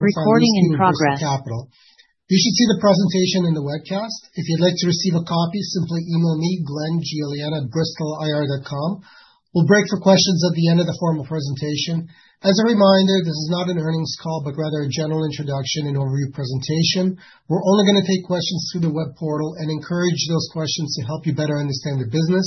You should see the presentation in the webcast. If you'd like to receive a copy, simply email me: glenngillian@bristolir.com. We'll break for questions at the end of the formal presentation. As a reminder, this is not an earnings call, but rather a general introduction and overview presentation. We're only going to take questions through the web portal and encourage those questions to help you better understand the business.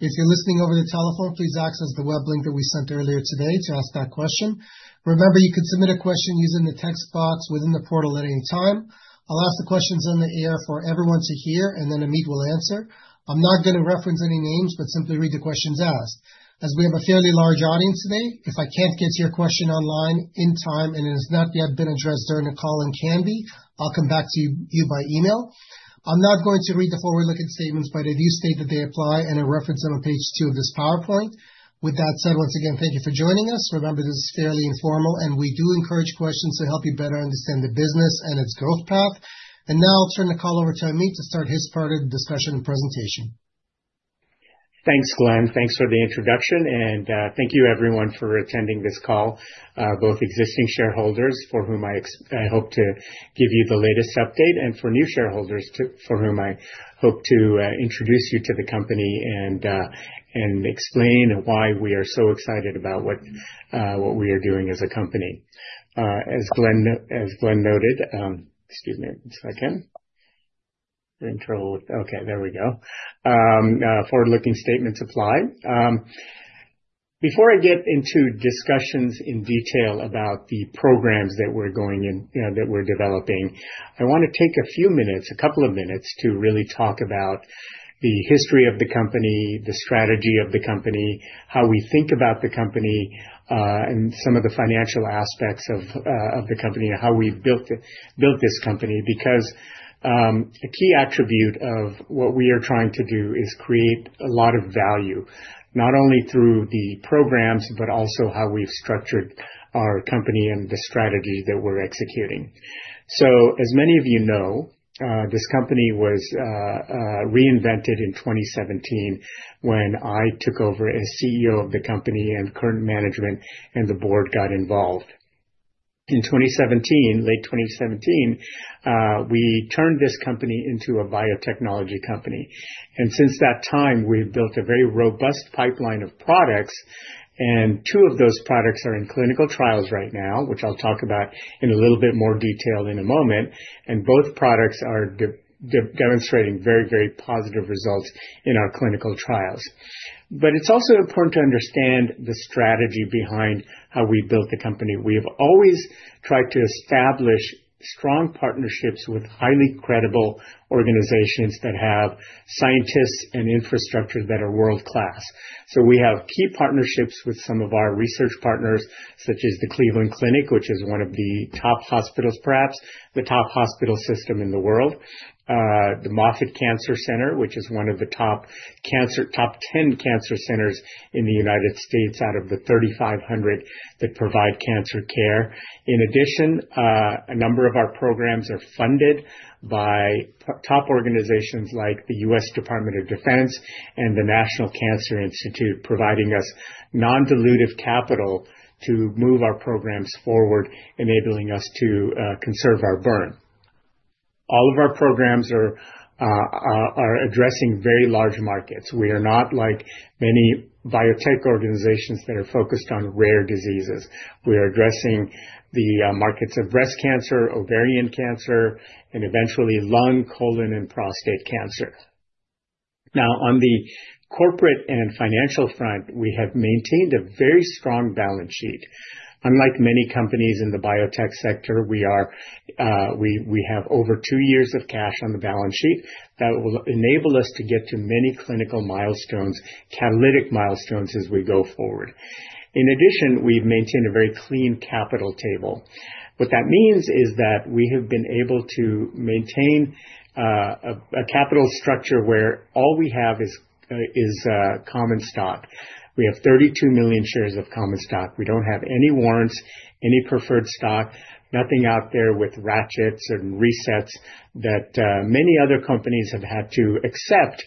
If you're listening over the telephone, please access the web link that we sent earlier today to ask that question. Remember, you can submit a question using the text box within the portal at any time. I'll ask the questions on the air for everyone to hear, and then Amit will answer. I'm not going to reference any names, but simply read the questions asked. As we have a fairly large audience today, if I can't get to your question online in time and it has not yet been addressed during the call and can be, I'll come back to you by email. I'm not going to read the forward-looking statements, but if you state that they apply, I'll reference them on page two of this PowerPoint. With that said, once again, thank you for joining us. Remember, this is fairly informal, and we do encourage questions to help you better understand the business and its growth path. Now I'll turn the call over to Amit to start his part of the discussion and presentation. Thanks, Glenn. Thanks for the introduction. And thank you, everyone, for attending this call, both existing shareholders for whom I hope to give you the latest update, and for new shareholders for whom I hope to introduce you to the company and explain why we are so excited about what we are doing as a company. As Glenn noted, excuse me one second. We're in trouble with, okay, there we go. Forward-looking statements apply. Before I get into discussions in detail about the programs that we're developing, I want to take a few minutes, a couple of minutes, to really talk about the history of the company, the strategy of the company, how we think about the company, and some of the financial aspects of the company, how we built this company. Because a key attribute of what we are trying to do is create a lot of value, not only through the programs, but also how we've structured our company and the strategy that we're executing. As many of you know, this company was reinvented in 2017 when I took over as CEO of the company, and current management and the board got involved. In 2017, late 2017, we turned this company into a biotechnology company. Since that time, we've built a very robust pipeline of products. Two of those products are in clinical trials right now, which I'll talk about in a little bit more detail in a moment. Both products are demonstrating very, very positive results in our clinical trials. It is also important to understand the strategy behind how we built the company. We have always tried to establish strong partnerships with highly credible organizations that have scientists and infrastructure that are world-class. We have key partnerships with some of our research partners, such as the Cleveland Clinic, which is one of the top hospitals, perhaps the top hospital system in the world. The Moffitt Cancer Center, which is one of the top 10 cancer centers in the United States out of the 3,500 that provide cancer care. In addition, a number of our programs are funded by top organizations like the U.S. Department of Defense and the National Cancer Institute, providing us non-dilutive capital to move our programs forward, enabling us to conserve our burn. All of our programs are addressing very large markets. We are not like many biotech organizations that are focused on rare diseases. We are addressing the markets of breast cancer, ovarian cancer, and eventually lung, colon, and prostate cancer. Now, on the corporate and financial front, we have maintained a very strong balance sheet. Unlike many companies in the biotech sector, we have over two years of cash on the balance sheet that will enable us to get to many clinical milestones, catalytic milestones as we go forward. In addition, we've maintained a very clean capital table. What that means is that we have been able to maintain a capital structure where all we have is common stock. We have 32 million shares of common stock. We do not have any warrants, any preferred stock, nothing out there with ratchets and resets that many other companies have had to accept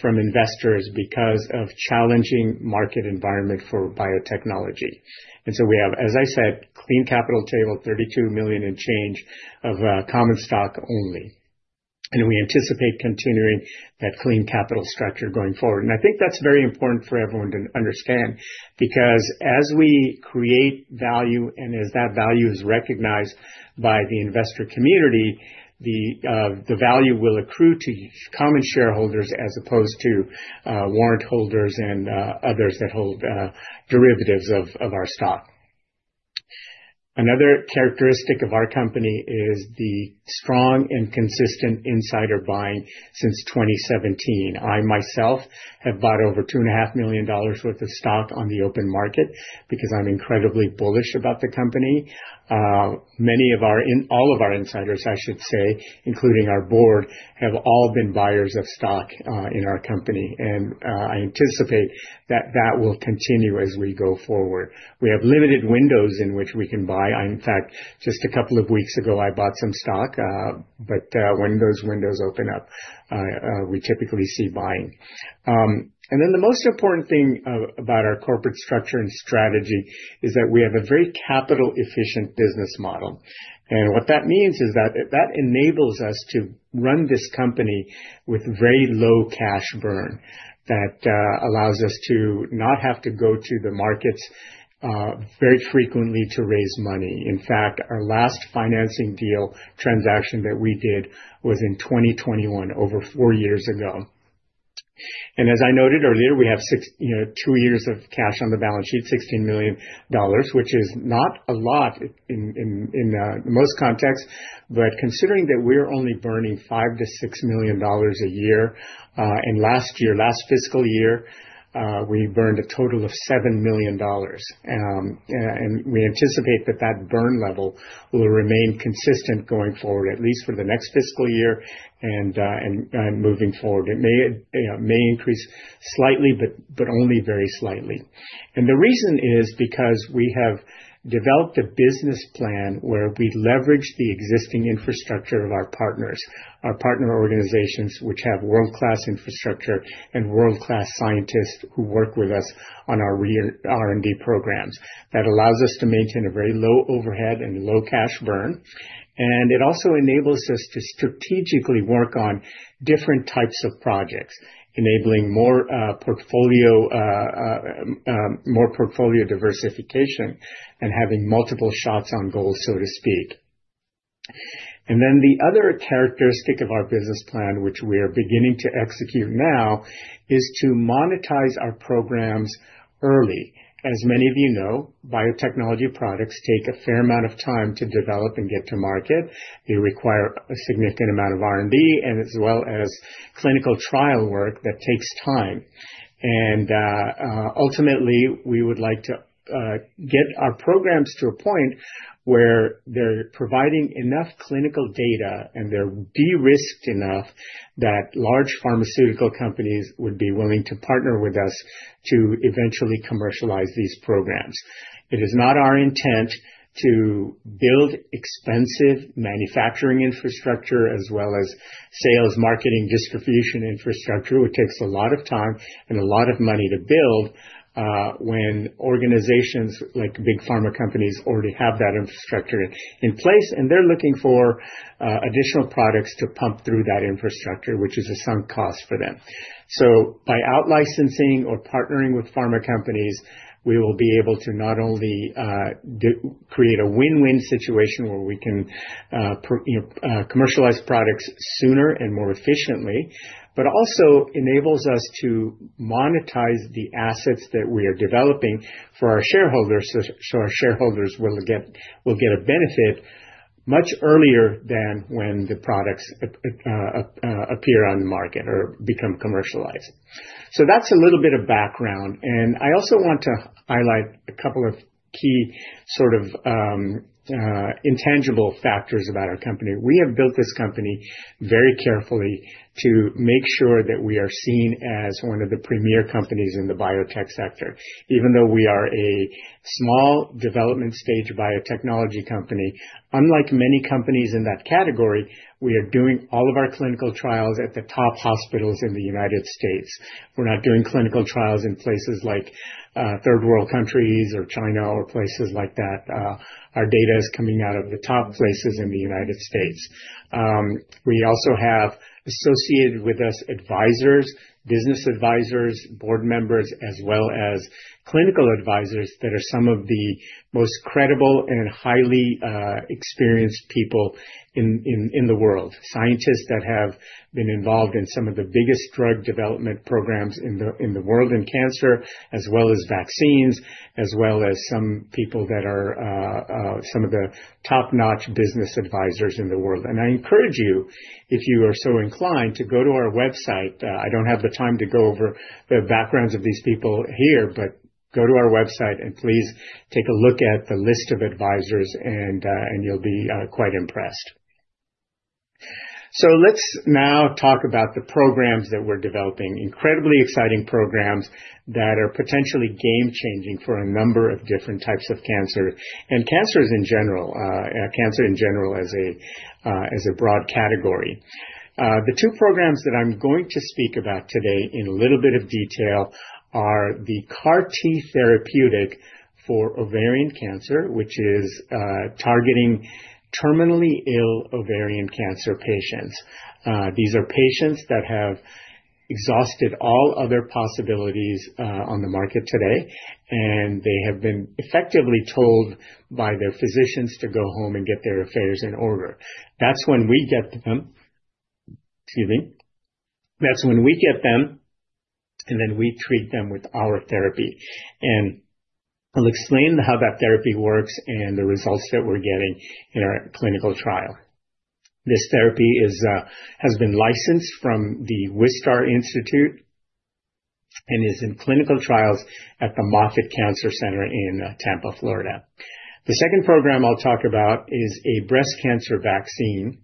from investors because of the challenging market environment for biotechnology. We have, as I said, a clean capital table, $32 million and change of common stock only. We anticipate continuing that clean capital structure going forward. I think that's very important for everyone to understand because as we create value and as that value is recognized by the investor community, the value will accrue to common shareholders as opposed to warrant holders and others that hold derivatives of our stock. Another characteristic of our company is the strong and consistent insider buying since 2017. I myself have bought over $2.5 million worth of stock on the open market because I'm incredibly bullish about the company. Many of our, all of our insiders, I should say, including our board, have all been buyers of stock in our company. I anticipate that that will continue as we go forward. We have limited windows in which we can buy. In fact, just a couple of weeks ago, I bought some stock, but when those windows open up, we typically see buying. The most important thing about our corporate structure and strategy is that we have a very capital-efficient business model. What that means is that that enables us to run this company with very low cash burn that allows us to not have to go to the markets very frequently to raise money. In fact, our last financing deal transaction that we did was in 2021, over four years ago. As I noted earlier, we have two years of cash on the balance sheet, $16 million, which is not a lot in most contexts. Considering that we're only burning $5-$6 million a year, and last year, last fiscal year, we burned a total of $7 million. We anticipate that that burn level will remain consistent going forward, at least for the next fiscal year and moving forward. It may increase slightly, but only very slightly. The reason is because we have developed a business plan where we leverage the existing infrastructure of our partners, our partner organizations, which have world-class infrastructure and world-class scientists who work with us on our R&D programs. That allows us to maintain a very low overhead and low cash burn. It also enables us to strategically work on different types of projects, enabling more portfolio diversification and having multiple shots on goal, so to speak. The other characteristic of our business plan, which we are beginning to execute now, is to monetize our programs early. As many of you know, biotechnology products take a fair amount of time to develop and get to market. They require a significant amount of R&D, as well as clinical trial work that takes time. Ultimately, we would like to get our programs to a point where they're providing enough clinical data and they're de-risked enough that large pharmaceutical companies would be willing to partner with us to eventually commercialize these programs. It is not our intent to build expensive manufacturing infrastructure as well as sales marketing distribution infrastructure, which takes a lot of time and a lot of money to build when organizations like big pharma companies already have that infrastructure in place, and they're looking for additional products to pump through that infrastructure, which is a sunk cost for them. By outlicensing or partnering with pharma companies, we will be able to not only create a win-win situation where we can commercialize products sooner and more efficiently, but also enables us to monetize the assets that we are developing for our shareholders so our shareholders will get a benefit much earlier than when the products appear on the market or become commercialized. That's a little bit of background. I also want to highlight a couple of key sort of intangible factors about our company. We have built this company very carefully to make sure that we are seen as one of the premier companies in the biotech sector. Even though we are a small development-stage biotechnology company, unlike many companies in that category, we are doing all of our clinical trials at the top hospitals in the United States. We're not doing clinical trials in places like third-world countries or China or places like that. Our data is coming out of the top places in the United States. We also have associated with us advisors, business advisors, board members, as well as clinical advisors that are some of the most credible and highly experienced people in the world, scientists that have been involved in some of the biggest drug development programs in the world in cancer, as well as vaccines, as well as some people that are some of the top-notch business advisors in the world. I encourage you, if you are so inclined, to go to our website. I do not have the time to go over the backgrounds of these people here, but go to our website and please take a look at the list of advisors, and you'll be quite impressed. Let's now talk about the programs that we're developing, incredibly exciting programs that are potentially game-changing for a number of different types of cancers and cancer in general as a broad category. The two programs that I'm going to speak about today in a little bit of detail are the CART-T therapeutic for ovarian cancer, which is targeting terminally ill ovarian cancer patients. These are patients that have exhausted all other possibilities on the market today, and they have been effectively told by their physicians to go home and get their affairs in order. That's when we get them—excuse me—that's when we get them, and then we treat them with our therapy. I'll explain how that therapy works and the results that we're getting in our clinical trial. This therapy has been licensed from the Wistar Institute and is in clinical trials at the Moffitt Cancer Center in Tampa, Florida. The second program I'll talk about is a breast cancer vaccine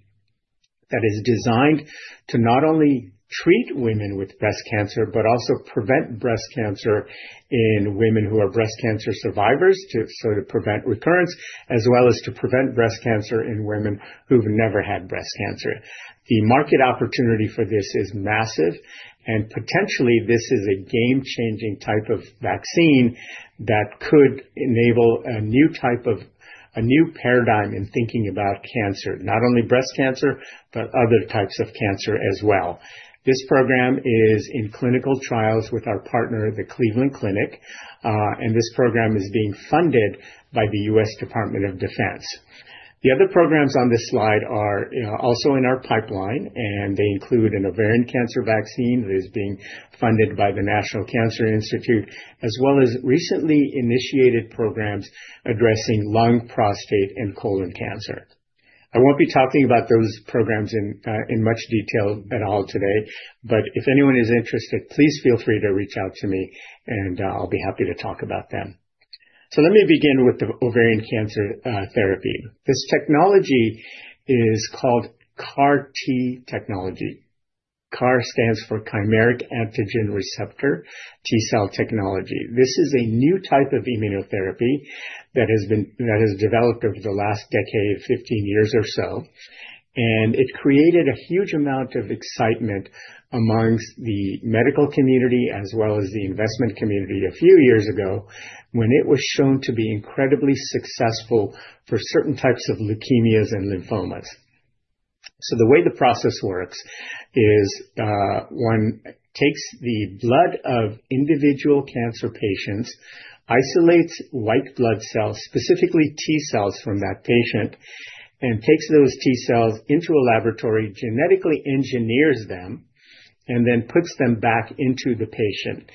that is designed to not only treat women with breast cancer, but also prevent breast cancer in women who are breast cancer survivors to sort of prevent recurrence, as well as to prevent breast cancer in women who've never had breast cancer. The market opportunity for this is massive. Potentially, this is a game-changing type of vaccine that could enable a new type of, a new paradigm in thinking about cancer, not only breast cancer, but other types of cancer as well. This program is in clinical trials with our partner, the Cleveland Clinic, and this program is being funded by the U.S. Department of Defense. The other programs on this slide are also in our pipeline, and they include an ovarian cancer vaccine that is being funded by the National Cancer Institute, as well as recently initiated programs addressing lung, prostate, and colon cancer. I won't be talking about those programs in much detail at all today, but if anyone is interested, please feel free to reach out to me, and I'll be happy to talk about them. Let me begin with the ovarian cancer therapy. This technology is called CART-T technology. CAR stands for Chimeric Antigen Receptor T Cell Technology. This is a new type of immunotherapy that has been developed over the last decade, 15 years or so. It created a huge amount of excitement amongst the medical community as well as the investment community a few years ago when it was shown to be incredibly successful for certain types of leukemias and lymphomas. The way the process works is one takes the blood of individual cancer patients, isolates white blood cells, specifically T cells from that patient, and takes those T cells into a laboratory, genetically engineers them, and then puts them back into the patient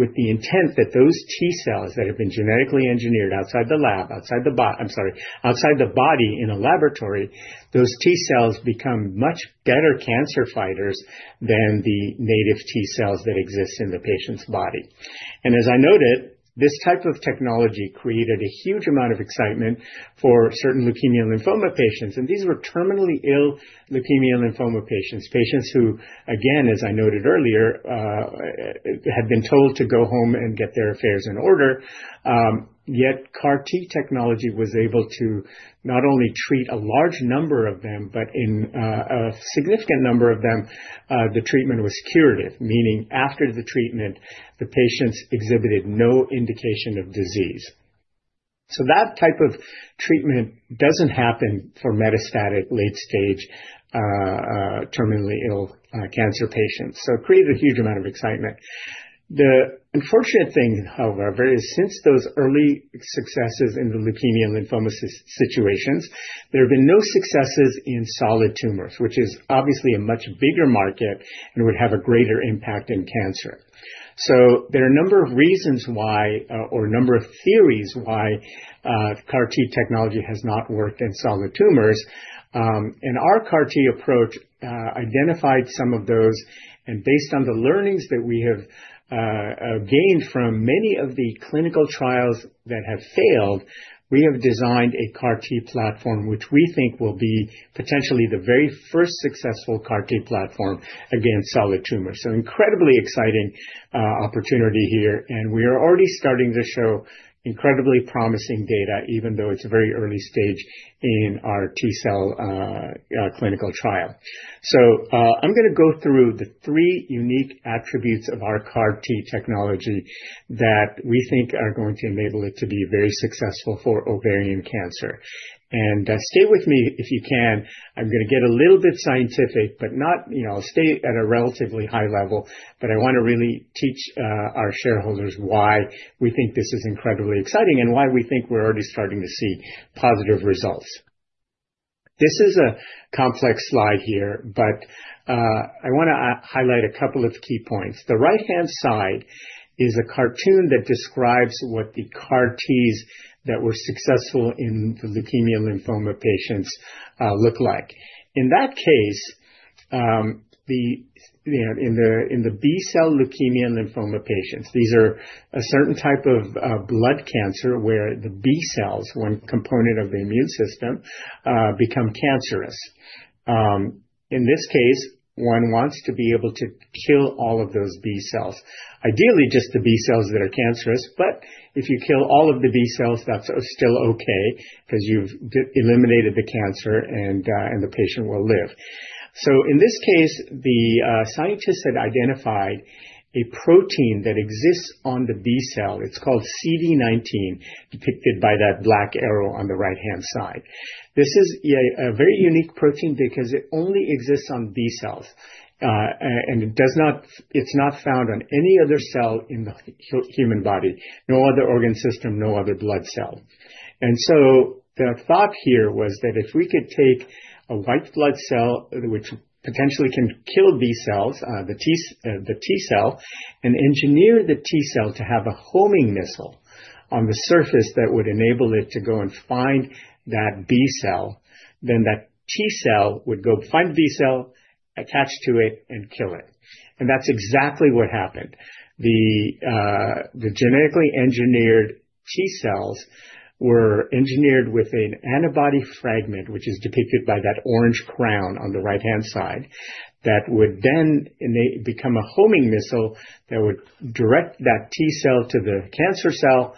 with the intent that those T cells that have been genetically engineered outside the body in a laboratory, those T cells become much better cancer fighters than the native T cells that exist in the patient's body. As I noted, this type of technology created a huge amount of excitement for certain leukemia and lymphoma patients. These were terminally ill leukemia and lymphoma patients, patients who, again, as I noted earlier, had been told to go home and get their affairs in order. Yet CART-T technology was able to not only treat a large number of them, but in a significant number of them, the treatment was curative, meaning after the treatment, the patients exhibited no indication of disease. That type of treatment does not happen for metastatic late-stage terminally ill cancer patients. It created a huge amount of excitement. The unfortunate thing, however, is since those early successes in the leukemia and lymphoma situations, there have been no successes in solid tumors, which is obviously a much bigger market and would have a greater impact in cancer. There are a number of reasons why or a number of theories why CART-T technology has not worked in solid tumors. Our CART-T approach identified some of those. Based on the learnings that we have gained from many of the clinical trials that have failed, we have designed a CART-T platform, which we think will be potentially the very first successful CART-T platform against solid tumors. Incredibly exciting opportunity here. We are already starting to show incredibly promising data, even though it is a very early stage in our T cell clinical trial. I am going to go through the three unique attributes of our CART-T technology that we think are going to enable it to be very successful for ovarian cancer. Stay with me if you can. I am going to get a little bit scientific, but I will stay at a relatively high level. I want to really teach our shareholders why we think this is incredibly exciting and why we think we're already starting to see positive results. This is a complex slide here, but I want to highlight a couple of key points. The right-hand side is a cartoon that describes what the CART-Ts that were successful in the leukemia and lymphoma patients look like. In that case, in the B cell leukemia and lymphoma patients, these are a certain type of blood cancer where the B cells, one component of the immune system, become cancerous. In this case, one wants to be able to kill all of those B cells, ideally just the B cells that are cancerous. If you kill all of the B cells, that's still okay because you've eliminated the cancer and the patient will live. In this case, the scientists had identified a protein that exists on the B cell. It's called CD19, depicted by that black arrow on the right-hand side. This is a very unique protein because it only exists on B cells, and it's not found on any other cell in the human body, no other organ system, no other blood cell. The thought here was that if we could take a white blood cell, which potentially can kill B cells, the T cell, and engineer the T cell to have a homing missile on the surface that would enable it to go and find that B cell, then that T cell would go find the B cell, attach to it, and kill it. That's exactly what happened. The genetically engineered T cells were engineered with an antibody fragment, which is depicted by that orange crown on the right-hand side, that would then become a homing missile that would direct that T cell to the cancer cell,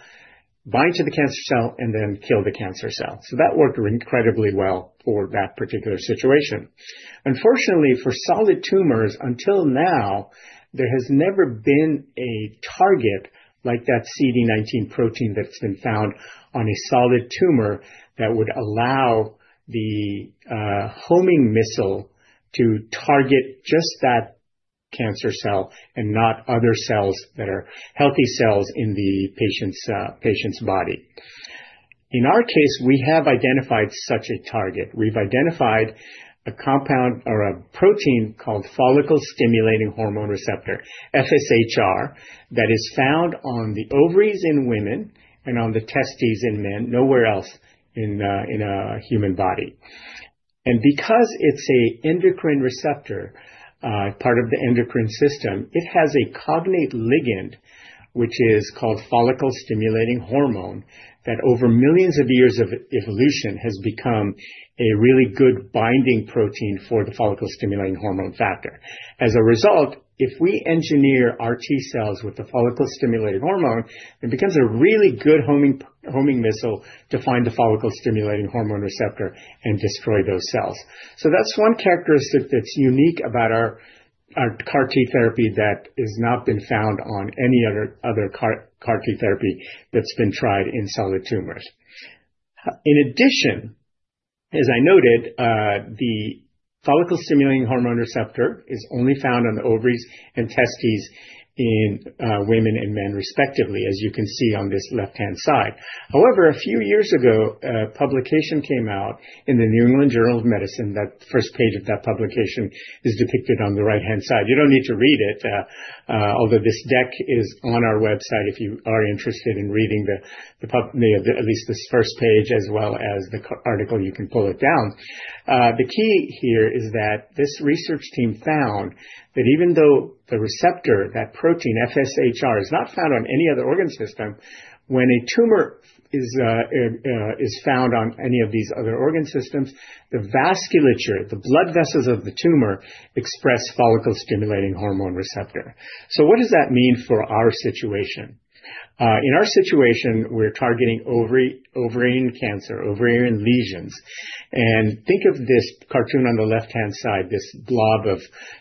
bind to the cancer cell, and then kill the cancer cell. That worked incredibly well for that particular situation. Unfortunately, for solid tumors, until now, there has never been a target like that CD19 protein that's been found on a solid tumor that would allow the homing missile to target just that cancer cell and not other cells that are healthy cells in the patient's body. In our case, we have identified such a target. We've identified a compound or a protein called follicle stimulating hormone receptor, FSHR, that is found on the ovaries in women and on the testes in men, nowhere else in a human body. Because it's an endocrine receptor, part of the endocrine system, it has a cognate ligand, which is called follicle stimulating hormone, that over millions of years of evolution has become a really good binding protein for the follicle stimulating hormone factor. As a result, if we engineer our T cells with the follicle stimulating hormone, it becomes a really good homing missile to find the follicle stimulating hormone receptor and destroy those cells. That's one characteristic that's unique about our CART-T therapy that has not been found on any other CART-T therapy that's been tried in solid tumors. In addition, as I noted, the Follicle Stimulating Hormone Receptor is only found on the ovaries and testes in women and men, respectively, as you can see on this left-hand side. However, a few years ago, a publication came out in the New England Journal of Medicine. That first page of that publication is depicted on the right-hand side. You do not need to read it, although this deck is on our website if you are interested in reading at least this first page as well as the article. You can pull it down. The key here is that this research team found that even though the receptor, that protein, FSHR, is not found on any other organ system, when a tumor is found on any of these other organ systems, the vasculature, the blood vessels of the tumor express follicle stimulating hormone receptor. What does that mean for our situation? In our situation, we are targeting ovarian cancer, ovarian lesions. Think of this cartoon on the left-hand side, this blob of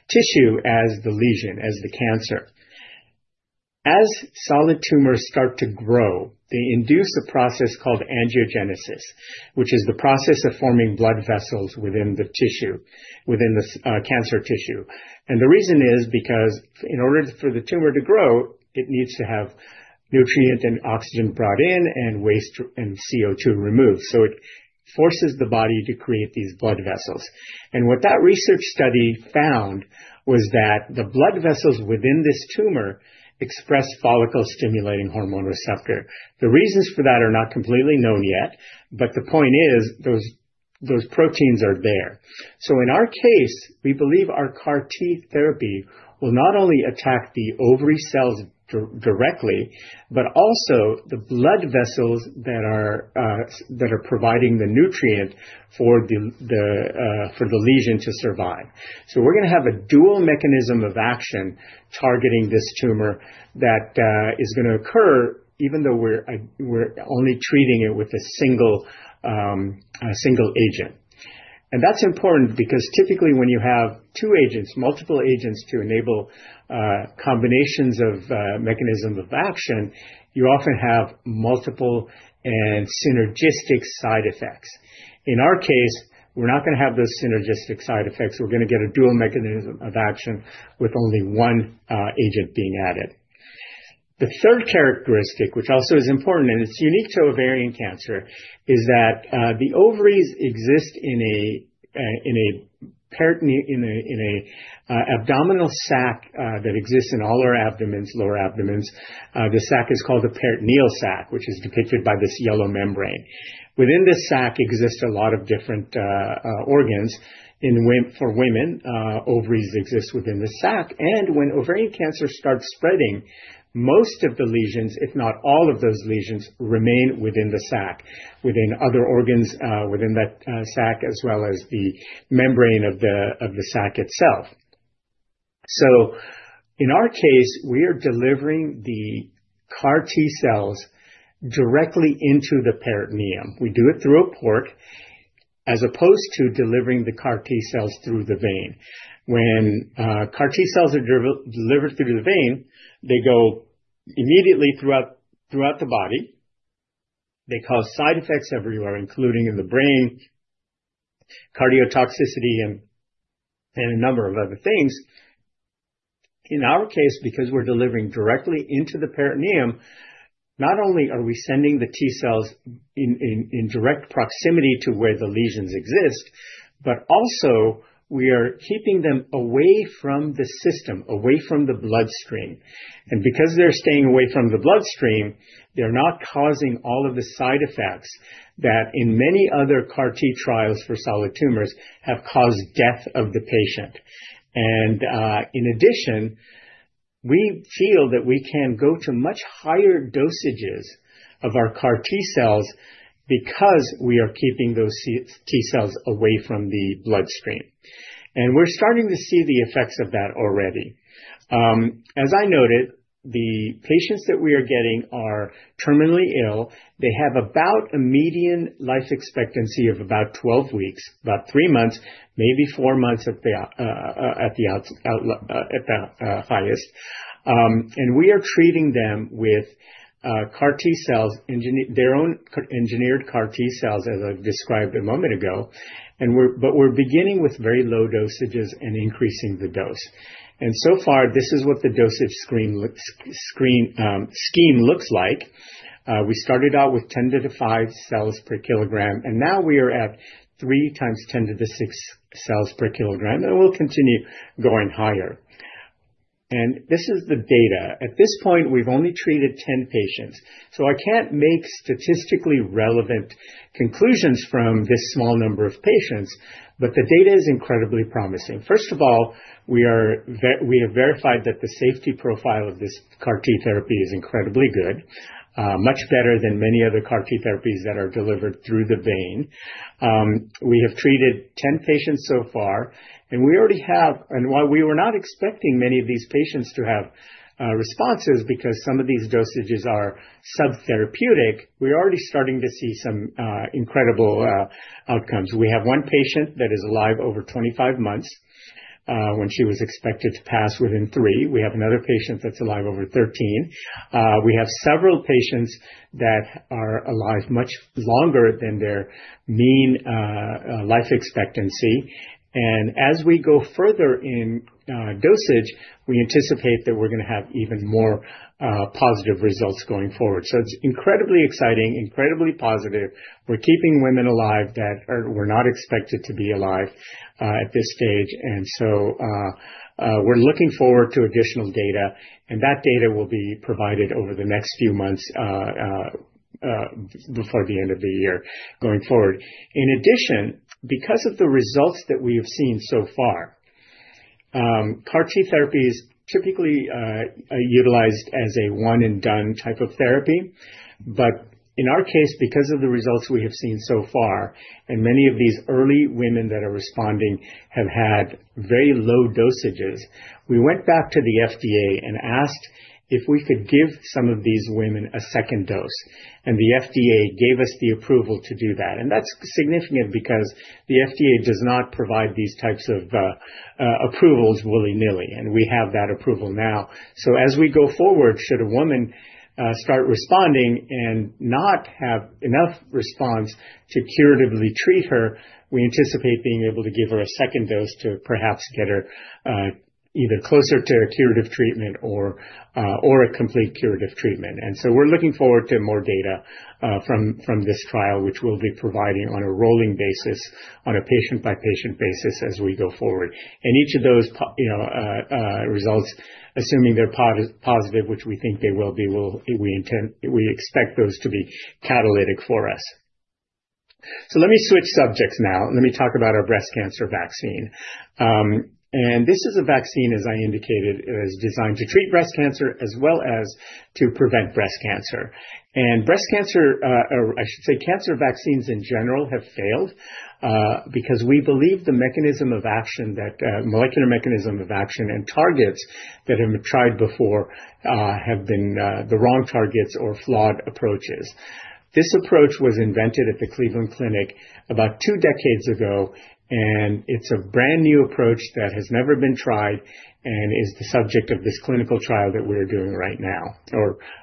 tissue as the lesion, as the cancer. As solid tumors start to grow, they induce a process called angiogenesis, which is the process of forming blood vessels within the tissue, within the cancer tissue. The reason is because in order for the tumor to grow, it needs to have nutrient and oxygen brought in and waste and CO2 removed. It forces the body to create these blood vessels. What that research study found was that the blood vessels within this tumor express follicle stimulating hormone receptor. The reasons for that are not completely known yet, but the point is those proteins are there. In our case, we believe our CART-T therapy will not only attack the ovary cells directly, but also the blood vessels that are providing the nutrient for the lesion to survive. We're going to have a dual mechanism of action targeting this tumor that is going to occur even though we're only treating it with a single agent. That's important because typically when you have two agents, multiple agents to enable combinations of mechanisms of action, you often have multiple and synergistic side effects. In our case, we're not going to have those synergistic side effects. We're going to get a dual mechanism of action with only one agent being added. The third characteristic, which also is important and it's unique to ovarian cancer, is that the ovaries exist in an abdominal sac that exists in all our abdomens, lower abdomens. The sac is called the peritoneal sac, which is depicted by this yellow membrane. Within this sac, there exists a lot of different organs. For women, ovaries exist within the sac. When ovarian cancer starts spreading, most of the lesions, if not all of those lesions, remain within the sac, within other organs within that sac as well as the membrane of the sac itself. In our case, we are delivering the CART-T cells directly into the peritoneum. We do it through a port as opposed to delivering the CART-T cells through the vein. When CART-T cells are delivered through the vein, they go immediately throughout the body. They cause side effects everywhere, including in the brain, cardiotoxicity, and a number of other things. In our case, because we're delivering directly into the peritoneum, not only are we sending the T cells in direct proximity to where the lesions exist, but also we are keeping them away from the system, away from the bloodstream. Because they're staying away from the bloodstream, they're not causing all of the side effects that in many other CART-T trials for solid tumors have caused death of the patient. In addition, we feel that we can go to much higher dosages of our CART-T cells because we are keeping those T cells away from the bloodstream. We're starting to see the effects of that already. As I noted, the patients that we are getting are terminally ill. They have a median life expectancy of about 12 weeks, about three months, maybe four months at the highest. We are treating them with CART-T cells, their own engineered CART-T cells, as I've described a moment ago. We're beginning with very low dosages and increasing the dose. So far, this is what the dosage scheme looks like. We started out with 10 to the 5 cells per kilogram, and now we are at 3 times 10 to the 6 cells per kilogram, and we will continue going higher. This is the data. At this point, we have only treated 10 patients. I cannot make statistically relevant conclusions from this small number of patients, but the data is incredibly promising. First of all, we have verified that the safety profile of this CART-T therapy is incredibly good, much better than many other CART-T therapies that are delivered through the vein. We have treated 10 patients so far, and we already have—and while we were not expecting many of these patients to have responses because some of these dosages are subtherapeutic—we are already starting to see some incredible outcomes. We have one patient that is alive over 25 months when she was expected to pass within three. We have another patient that's alive over 13. We have several patients that are alive much longer than their mean life expectancy. As we go further in dosage, we anticipate that we're going to have even more positive results going forward. It is incredibly exciting, incredibly positive. We're keeping women alive that were not expected to be alive at this stage. We are looking forward to additional data, and that data will be provided over the next few months before the end of the year going forward. In addition, because of the results that we have seen so far, CART-T therapy is typically utilized as a one-and-done type of therapy. In our case, because of the results we have seen so far, and many of these early women that are responding have had very low dosages, we went back to the FDA and asked if we could give some of these women a second dose. The FDA gave us the approval to do that. That is significant because the FDA does not provide these types of approvals willy-nilly, and we have that approval now. As we go forward, should a woman start responding and not have enough response to curatively treat her, we anticipate being able to give her a second dose to perhaps get her either closer to a curative treatment or a complete curative treatment. We are looking forward to more data from this trial, which we will be providing on a rolling basis, on a patient-by-patient basis as we go forward. Each of those results, assuming they're positive, which we think they will be, we expect those to be catalytic for us. Let me switch subjects now. Let me talk about our breast cancer vaccine. This is a vaccine, as I indicated, that is designed to treat breast cancer as well as to prevent breast cancer. Breast cancer—I should say cancer vaccines in general—have failed because we believe the mechanism of action, that molecular mechanism of action and targets that have been tried before have been the wrong targets or flawed approaches. This approach was invented at the Cleveland Clinic about two decades ago, and it's a brand new approach that has never been tried and is the subject of this clinical trial that we're doing right now,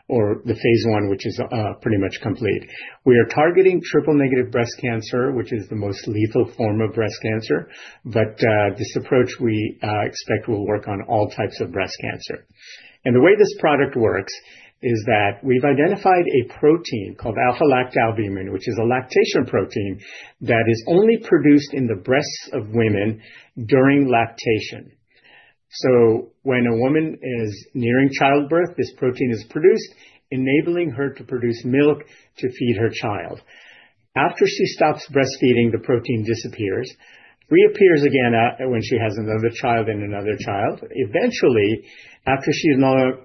or the phase one, which is pretty much complete. We are targeting triple-negative breast cancer, which is the most lethal form of breast cancer, but this approach we expect will work on all types of breast cancer. The way this product works is that we've identified a protein called alpha-lactalbumin, which is a lactation protein that is only produced in the breasts of women during lactation. When a woman is nearing childbirth, this protein is produced, enabling her to produce milk to feed her child. After she stops breastfeeding, the protein disappears, reappears again when she has another child and another child. Eventually, after she's no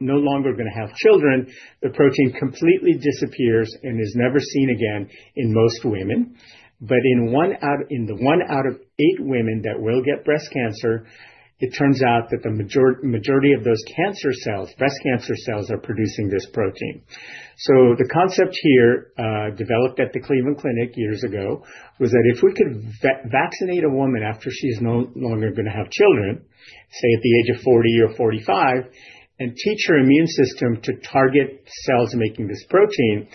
longer going to have children, the protein completely disappears and is never seen again in most women. In the one out of eight women that will get breast cancer, it turns out that the majority of those cancer cells, breast cancer cells, are producing this protein. The concept here developed at the Cleveland Clinic years ago was that if we could vaccinate a woman after she's no longer going to have children, say at the age of 40 or 45, and teach her immune system to target cells making this protein,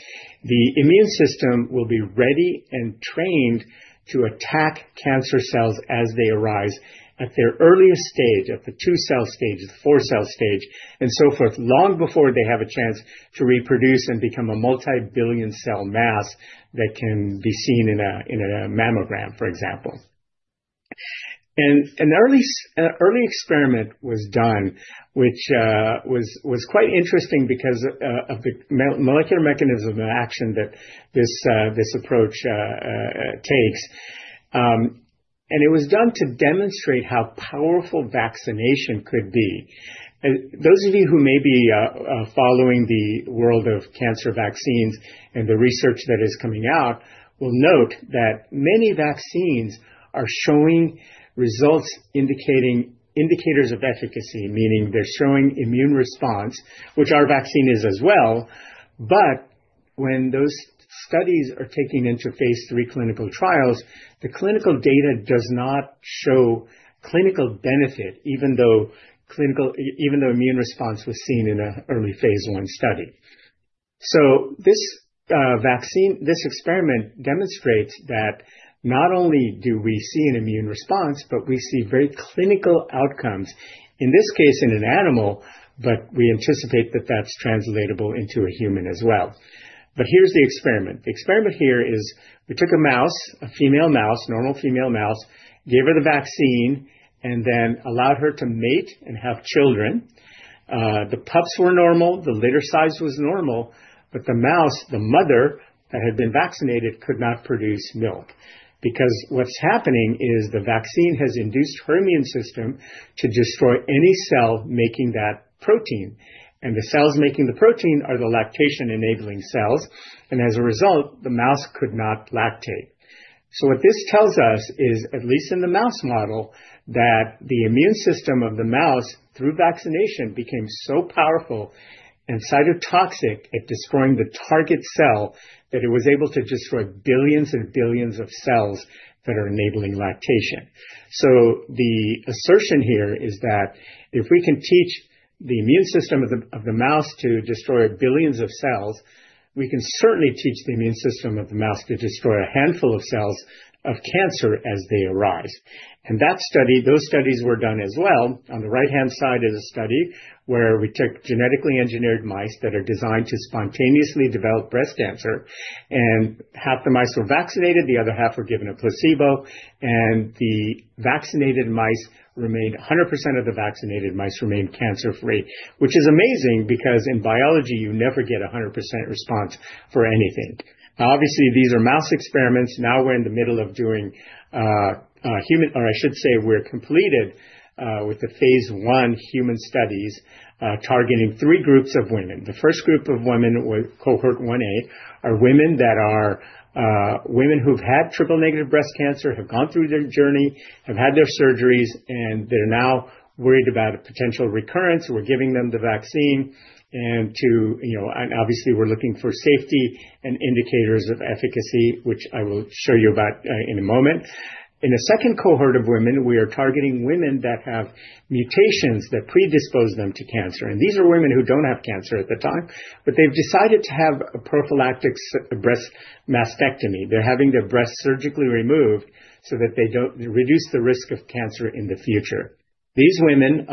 the immune system will be ready and trained to attack cancer cells as they arise at their earliest stage, at the two-cell stage, the four-cell stage, and so forth, long before they have a chance to reproduce and become a multi-billion cell mass that can be seen in a mammogram, for example. An early experiment was done, which was quite interesting because of the molecular mechanism of action that this approach takes. It was done to demonstrate how powerful vaccination could be. Those of you who may be following the world of cancer vaccines and the research that is coming out will note that many vaccines are showing results indicating indicators of efficacy, meaning they're showing immune response, which our vaccine is as well. When those studies are taking into phase three clinical trials, the clinical data does not show clinical benefit, even though immune response was seen in an early phase one study. This experiment demonstrates that not only do we see an immune response, but we see very clinical outcomes, in this case in an animal, but we anticipate that that's translatable into a human as well. Here's the experiment. The experiment here is we took a female mouse, normal female mouse, gave her the vaccine, and then allowed her to mate and have children. The pups were normal, the litter size was normal, but the mouse, the mother that had been vaccinated, could not produce milk because what's happening is the vaccine has induced her immune system to destroy any cell making that protein. The cells making the protein are the lactation-enabling cells. As a result, the mouse could not lactate. What this tells us is, at least in the mouse model, that the immune system of the mouse through vaccination became so powerful and cytotoxic at destroying the target cell that it was able to destroy billions and billions of cells that are enabling lactation. The assertion here is that if we can teach the immune system of the mouse to destroy billions of cells, we can certainly teach the immune system of the mouse to destroy a handful of cells of cancer as they arise. Those studies were done as well. On the right-hand side is a study where we took genetically engineered mice that are designed to spontaneously develop breast cancer. Half the mice were vaccinated, the other half were given a placebo, and the vaccinated mice remained, 100% of the vaccinated mice remained cancer-free, which is amazing because in biology, you never get a 100% response for anything. Obviously, these are mouse experiments. Now we're in the middle of doing human, or I should say we're completed with the phase I human studies targeting three groups of women. The first group of women, cohort 1A, are women who've had triple-negative breast cancer, have gone through their journey, have had their surgeries, and they're now worried about a potential recurrence. We're giving them the vaccine. Obviously, we're looking for safety and indicators of efficacy, which I will show you about in a moment. In a second cohort of women, we are targeting women that have mutations that predispose them to cancer. These are women who do not have cancer at the time, but they've decided to have a prophylactic breast mastectomy. They're having their breasts surgically removed so that they reduce the risk of cancer in the future. These women,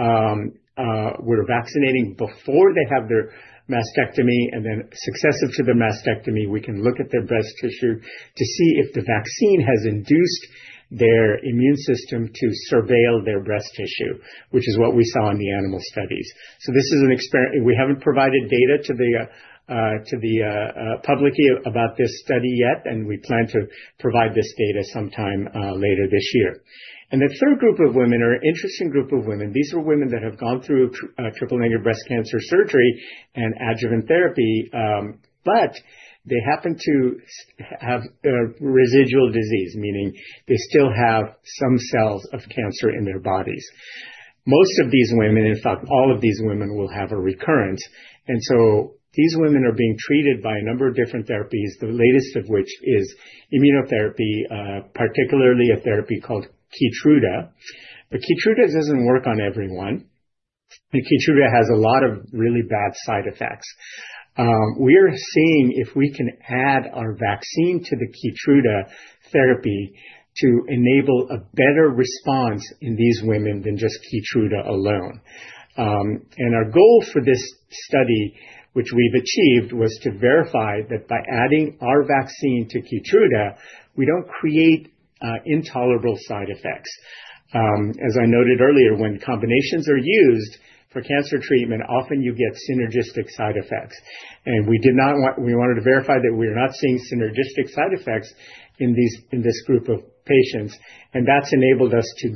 we're vaccinating before they have their mastectomy, and then successive to the mastectomy, we can look at their breast tissue to see if the vaccine has induced their immune system to surveil their breast tissue, which is what we saw in the animal studies. This is an experiment. We have not provided data to the public about this study yet, and we plan to provide this data sometime later this year. The third group of women are an interesting group of women. These are women that have gone through triple-negative breast cancer surgery and adjuvant therapy, but they happen to have residual disease, meaning they still have some cells of cancer in their bodies. Most of these women, in fact, all of these women will have a recurrence. These women are being treated by a number of different therapies, the latest of which is immunotherapy, particularly a therapy called Keytruda. Keytruda does not work on everyone. Keytruda has a lot of really bad side effects. We are seeing if we can add our vaccine to the Keytruda therapy to enable a better response in these women than just Keytruda alone. Our goal for this study, which we have achieved, was to verify that by adding our vaccine to Keytruda, we do not create intolerable side effects. As I noted earlier, when combinations are used for cancer treatment, often you get synergistic side effects. We wanted to verify that we are not seeing synergistic side effects in this group of patients. That has enabled us to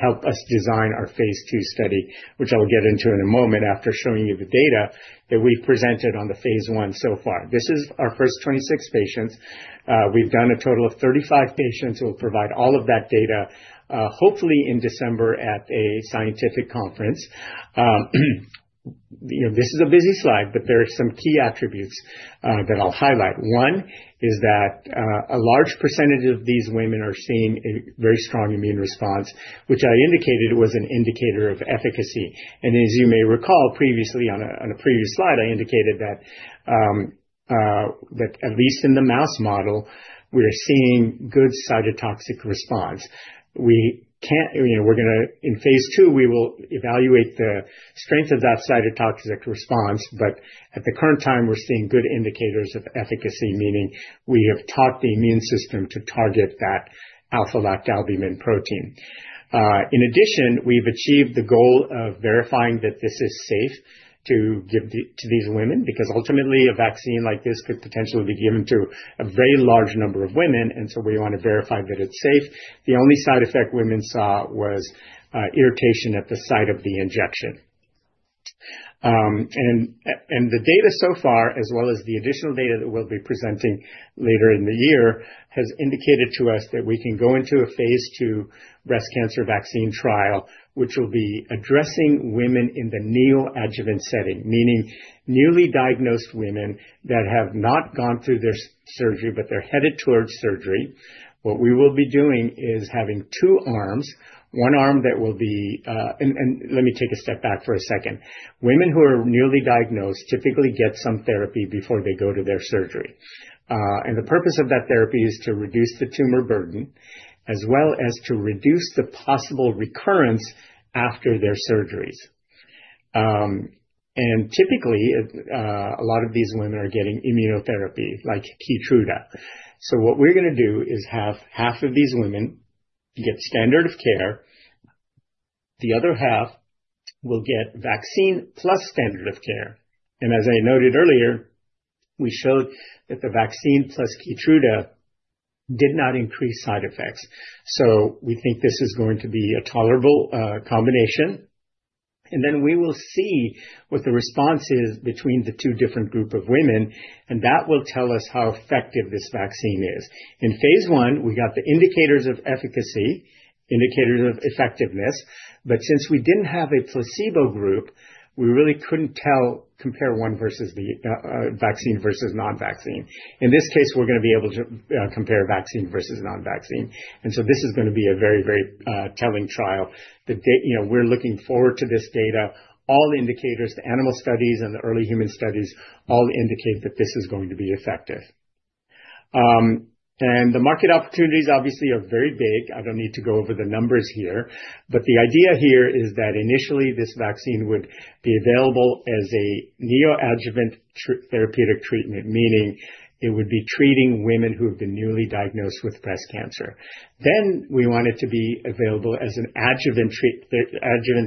help us design our phase two study, which I'll get into in a moment after showing you the data that we've presented on the phase one so far. This is our first 26 patients. We've done a total of 35 patients. We'll provide all of that data, hopefully in December at a scientific conference. This is a busy slide, but there are some key attributes that I'll highlight. One is that a large percentage of these women are seeing a very strong immune response, which I indicated was an indicator of efficacy. As you may recall, previously on a previous slide, I indicated that at least in the mouse model, we're seeing good cytotoxic response. In phase two, we will evaluate the strength of that cytotoxic response, but at the current time, we're seeing good indicators of efficacy, meaning we have taught the immune system to target that alpha-lactalbumin protein. In addition, we've achieved the goal of verifying that this is safe to give to these women because ultimately, a vaccine like this could potentially be given to a very large number of women, and so we want to verify that it's safe. The only side effect women saw was irritation at the site of the injection. The data so far, as well as the additional data that we'll be presenting later in the year, has indicated to us that we can go into a phase two breast cancer vaccine trial, which will be addressing women in the neoadjuvant setting, meaning newly diagnosed women that have not gone through their surgery, but they're headed towards surgery. What we will be doing is having two arms, one arm that will be, let me take a step back for a second. Women who are newly diagnosed typically get some therapy before they go to their surgery. The purpose of that therapy is to reduce the tumor burden as well as to reduce the possible recurrence after their surgeries. Typically, a lot of these women are getting immunotherapy like Keytruda. What we're going to do is have half of these women get standard of care. The other half will get vaccine plus standard of care. As I noted earlier, we showed that the vaccine plus Keytruda did not increase side effects. We think this is going to be a tolerable combination. We will see what the response is between the two different groups of women, and that will tell us how effective this vaccine is. In phase I, we got the indicators of efficacy, indicators of effectiveness, but since we did not have a placebo group, we really could not compare one versus the vaccine versus non-vaccine. In this case, we are going to be able to compare vaccine versus non-vaccine. This is going to be a very, very telling trial. We are looking forward to this data. All indicators, the animal studies and the early human studies, all indicate that this is going to be effective. The market opportunities, obviously, are very big. I do not need to go over the numbers here. The idea here is that initially, this vaccine would be available as a neoadjuvant therapeutic treatment, meaning it would be treating women who have been newly diagnosed with breast cancer. We want it to be available as an adjuvant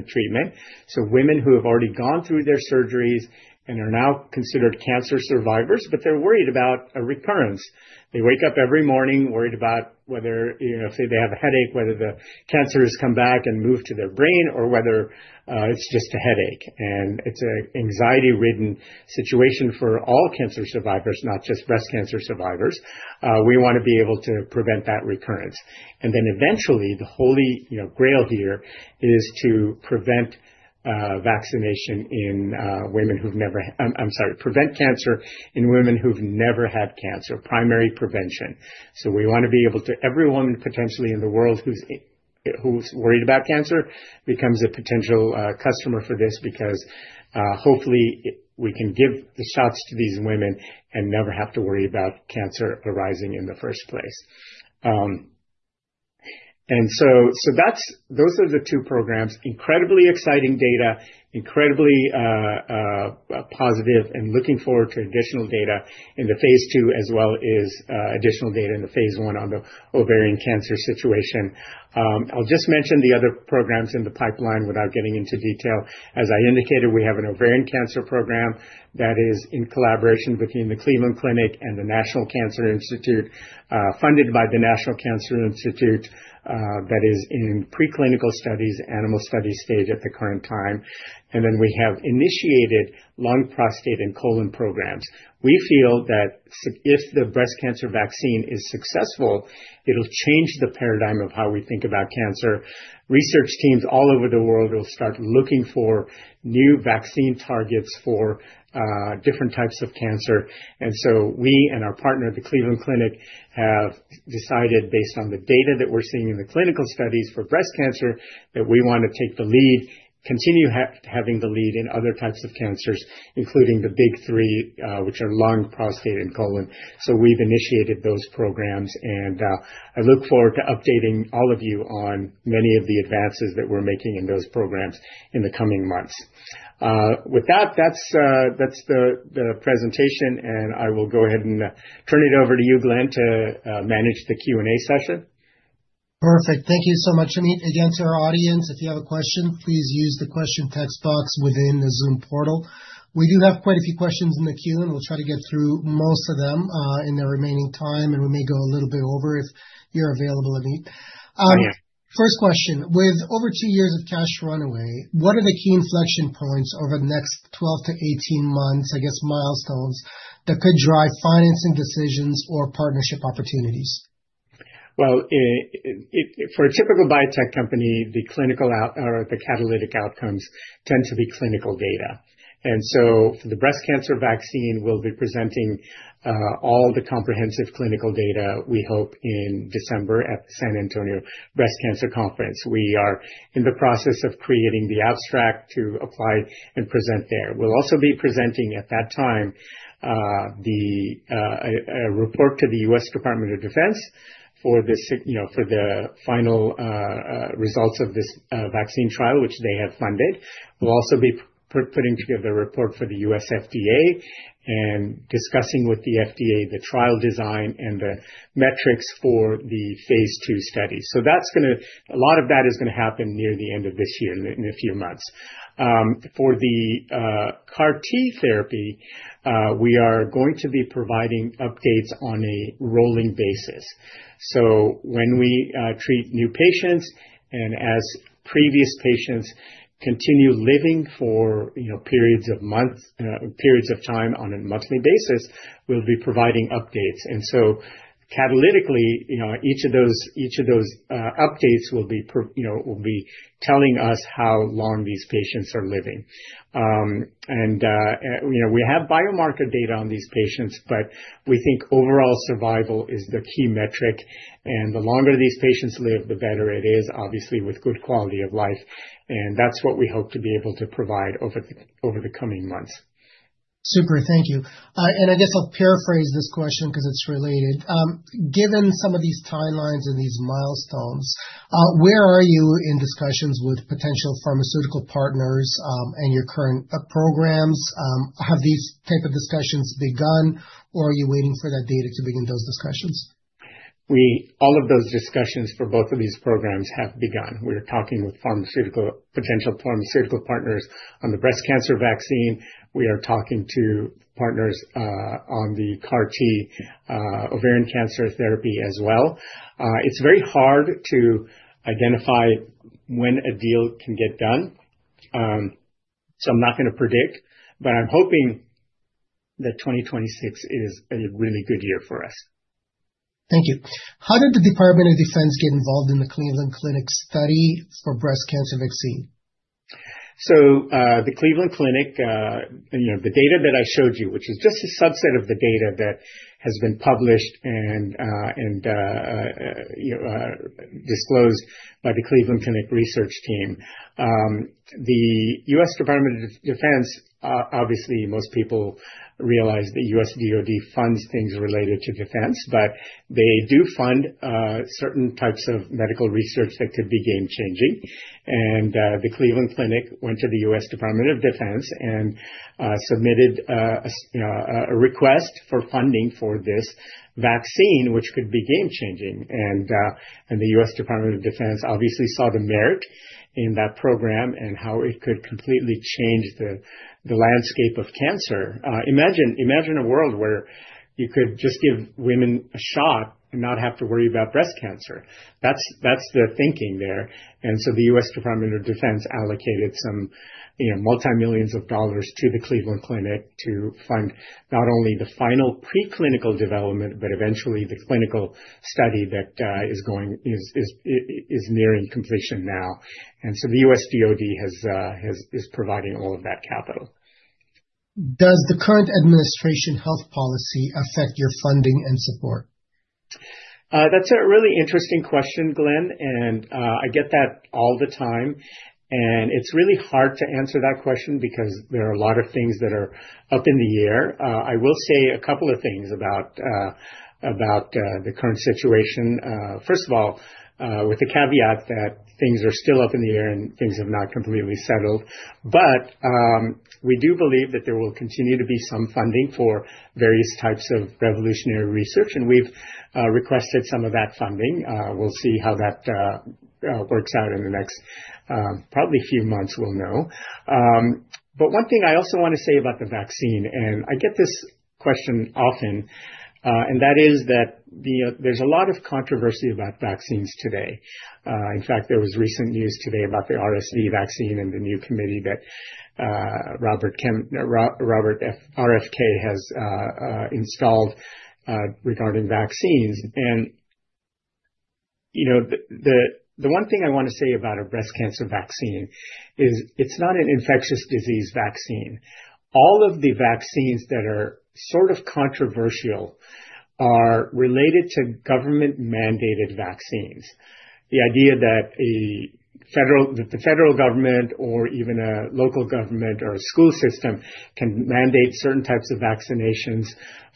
treatment. Women who have already gone through their surgeries and are now considered cancer survivors, but they are worried about a recurrence. They wake up every morning worried about whether, say, they have a headache, whether the cancer has come back and moved to their brain, or whether it is just a headache. It is an anxiety-ridden situation for all cancer survivors, not just breast cancer survivors. We want to be able to prevent that recurrence. Eventually, the holy grail here is to prevent cancer in women who've never had cancer, primary prevention. We want to be able to—every woman potentially in the world who's worried about cancer becomes a potential customer for this because hopefully, we can give the shots to these women and never have to worry about cancer arising in the first place. Those are the two programs. Incredibly exciting data, incredibly positive, and looking forward to additional data in the phase two as well as additional data in the phase one on the ovarian cancer situation. I'll just mention the other programs in the pipeline without getting into detail. As I indicated, we have an ovarian cancer program that is in collaboration between the Cleveland Clinic and the National Cancer Institute, funded by the National Cancer Institute that is in preclinical studies, animal studies stage at the current time. We have initiated lung, prostate, and colon programs. We feel that if the breast cancer vaccine is successful, it'll change the paradigm of how we think about cancer. Research teams all over the world will start looking for new vaccine targets for different types of cancer. We and our partner, the Cleveland Clinic, have decided based on the data that we're seeing in the clinical studies for breast cancer that we want to take the lead, continue having the lead in other types of cancers, including the big three, which are lung, prostate, and colon. We've initiated those programs, and I look forward to updating all of you on many of the advances that we're making in those programs in the coming months. With that, that's the presentation, and I will go ahead and turn it over to you, Glenn, to manage the Q&A session. Perfect. Thank you so much. Again, to our audience, if you have a question, please use the question text box within the Zoom portal. We do have quite a few questions in the queue, and we'll try to get through most of them in the remaining time, and we may go a little bit over if you're available, Ameet. First question. With over two years of cash runway, what are the key inflection points over the next 12 to 18 months, I guess, milestones that could drive financing decisions or partnership opportunities? For a typical biotech company, the clinical or the catalytic outcomes tend to be clinical data. For the breast cancer vaccine, we'll be presenting all the comprehensive clinical data, we hope, in December at the San Antonio Breast Cancer Conference. We are in the process of creating the abstract to apply and present there. We'll also be presenting at that time the report to the U.S. Department of Defense for the final results of this vaccine trial, which they have funded. We'll also be putting together a report for the U.S. FDA and discussing with the FDA the trial design and the metrics for the phase two study. A lot of that is going to happen near the end of this year, in a few months. For the CAR-T therapy, we are going to be providing updates on a rolling basis. When we treat new patients and as previous patients continue living for periods of time on a monthly basis, we'll be providing updates. Catalytically, each of those updates will be telling us how long these patients are living. We have biomarker data on these patients, but we think overall survival is the key metric. The longer these patients live, the better it is, obviously, with good quality of life. That's what we hope to be able to provide over the coming months. Super. Thank you. I guess I'll paraphrase this question because it's related. Given some of these timelines and these milestones, where are you in discussions with potential pharmaceutical partners and your current programs? Have these types of discussions begun, or are you waiting for that data to begin those discussions? All of those discussions for both of these programs have begun. We are talking with potential pharmaceutical partners on the breast cancer vaccine. We are talking to partners on the CAR-T ovarian cancer therapy as well. It's very hard to identify when a deal can get done. I am not going to predict, but I am hoping that 2026 is a really good year for us. Thank you. How did the Department of Defense get involved in the Cleveland Clinic study for breast cancer vaccine? The Cleveland Clinic, the data that I showed you, which is just a subset of the data that has been published and disclosed by the Cleveland Clinic research team. The U.S. Department of Defense, obviously, most people realize the U.S. DOD funds things related to defense, but they do fund certain types of medical research that could be game-changing. The Cleveland Clinic went to the U.S. Department of Defense and submitted a request for funding for this vaccine, which could be game-changing. The U.S. Department of Defense obviously saw the merit in that program and how it could completely change the landscape of cancer. Imagine a world where you could just give women a shot and not have to worry about breast cancer. That's the thinking there. The U.S. Department of Defense allocated some multimillions of dollars to the Cleveland Clinic to fund not only the final preclinical development, but eventually the clinical study that is nearing completion now. The U.S. DOD is providing all of that capital. Does the current administration health policy affect your funding and support? That's a really interesting question, Glenn, and I get that all the time. It's really hard to answer that question because there are a lot of things that are up in the air. I will say a couple of things about the current situation. First of all, with the caveat that things are still up in the air and things have not completely settled, we do believe that there will continue to be some funding for various types of revolutionary research, and we've requested some of that funding. We'll see how that works out in the next probably few months. We'll know. One thing I also want to say about the vaccine, and I get this question often, is that there's a lot of controversy about vaccines today. In fact, there was recent news today about the RSV vaccine and the new committee that Robert RFK has installed regarding vaccines. The one thing I want to say about a breast cancer vaccine is it's not an infectious disease vaccine. All of the vaccines that are sort of controversial are related to government-mandated vaccines. The idea that the federal government or even a local government or a school system can mandate certain types of vaccinations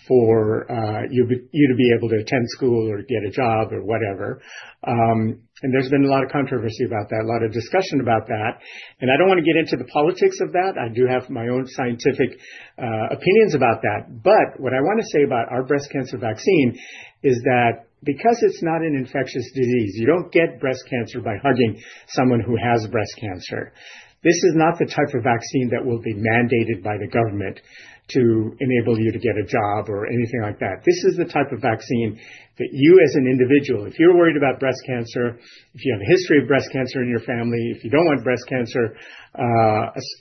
for you to be able to attend school or get a job or whatever. There's been a lot of controversy about that, a lot of discussion about that. I don't want to get into the politics of that. I do have my own scientific opinions about that. What I want to say about our breast cancer vaccine is that because it's not an infectious disease, you don't get breast cancer by hugging someone who has breast cancer. This is not the type of vaccine that will be mandated by the government to enable you to get a job or anything like that. This is the type of vaccine that you, as an individual, if you're worried about breast cancer, if you have a history of breast cancer in your family, if you don't want breast cancer,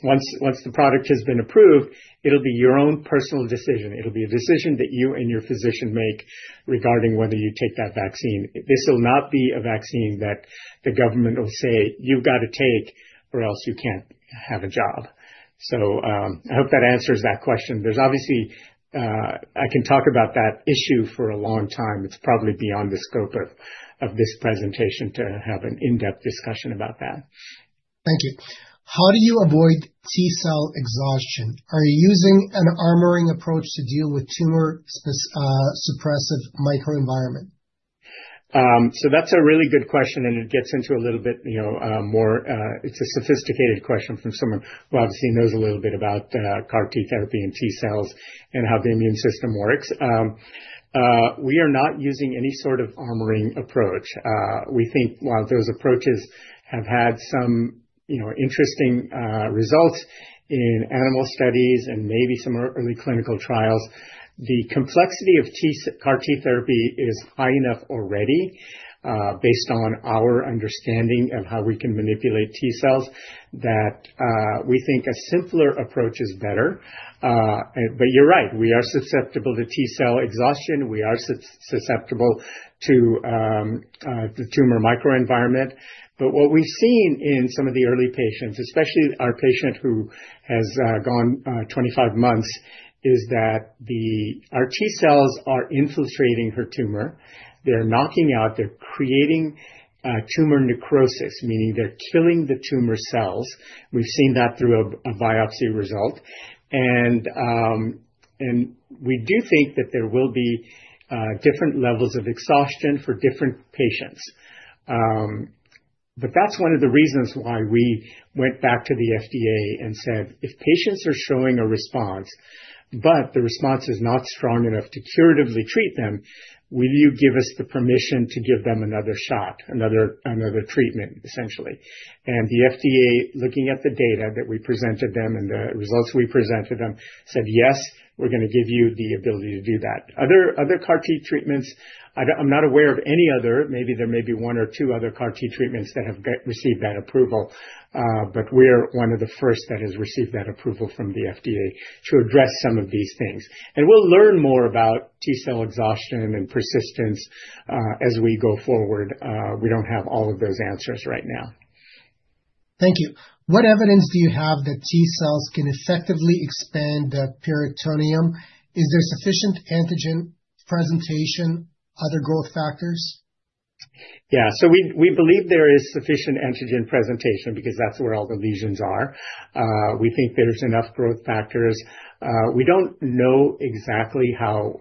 once the product has been approved, it'll be your own personal decision. It'll be a decision that you and your physician make regarding whether you take that vaccine. This will not be a vaccine that the government will say, "You've got to take or else you can't have a job." I hope that answers that question. I can talk about that issue for a long time. It's probably beyond the scope of this presentation to have an in-depth discussion about that. Thank you. How do you avoid T-cell exhaustion? Are you using an armoring approach to deal with tumor-suppressive microenvironment? That's a really good question, and it gets into a little bit more—it's a sophisticated question from someone who obviously knows a little bit about CAR-T therapy and T-cells and how the immune system works. We are not using any sort of armoring approach. We think while those approaches have had some interesting results in animal studies and maybe some early clinical trials, the complexity of CAR-T therapy is high enough already based on our understanding of how we can manipulate T-cells that we think a simpler approach is better. You're right. We are susceptible to T-cell exhaustion. We are susceptible to the tumor microenvironment. What we've seen in some of the early patients, especially our patient who has gone 25 months, is that our T-cells are infiltrating her tumor. They're knocking out. They're creating tumor necrosis, meaning they're killing the tumor cells. We've seen that through a biopsy result. We do think that there will be different levels of exhaustion for different patients. That is one of the reasons why we went back to the FDA and said, "If patients are showing a response, but the response is not strong enough to curatively treat them, will you give us the permission to give them another shot, another treatment, essentially?" The FDA, looking at the data that we presented them and the results we presented them, said, "Yes, we're going to give you the ability to do that." Other CAR-T treatments, I'm not aware of any other. Maybe there may be one or two other CAR-T treatments that have received that approval, but we're one of the first that has received that approval from the FDA to address some of these things. We will learn more about T-cell exhaustion and persistence as we go forward. We do not have all of those answers right now. Thank you. What evidence do you have that T-cells can effectively expand in the peritoneum? Is there sufficient antigen presentation, other growth factors? Yeah. We believe there is sufficient antigen presentation because that's where all the lesions are. We think there's enough growth factors. We don't know exactly how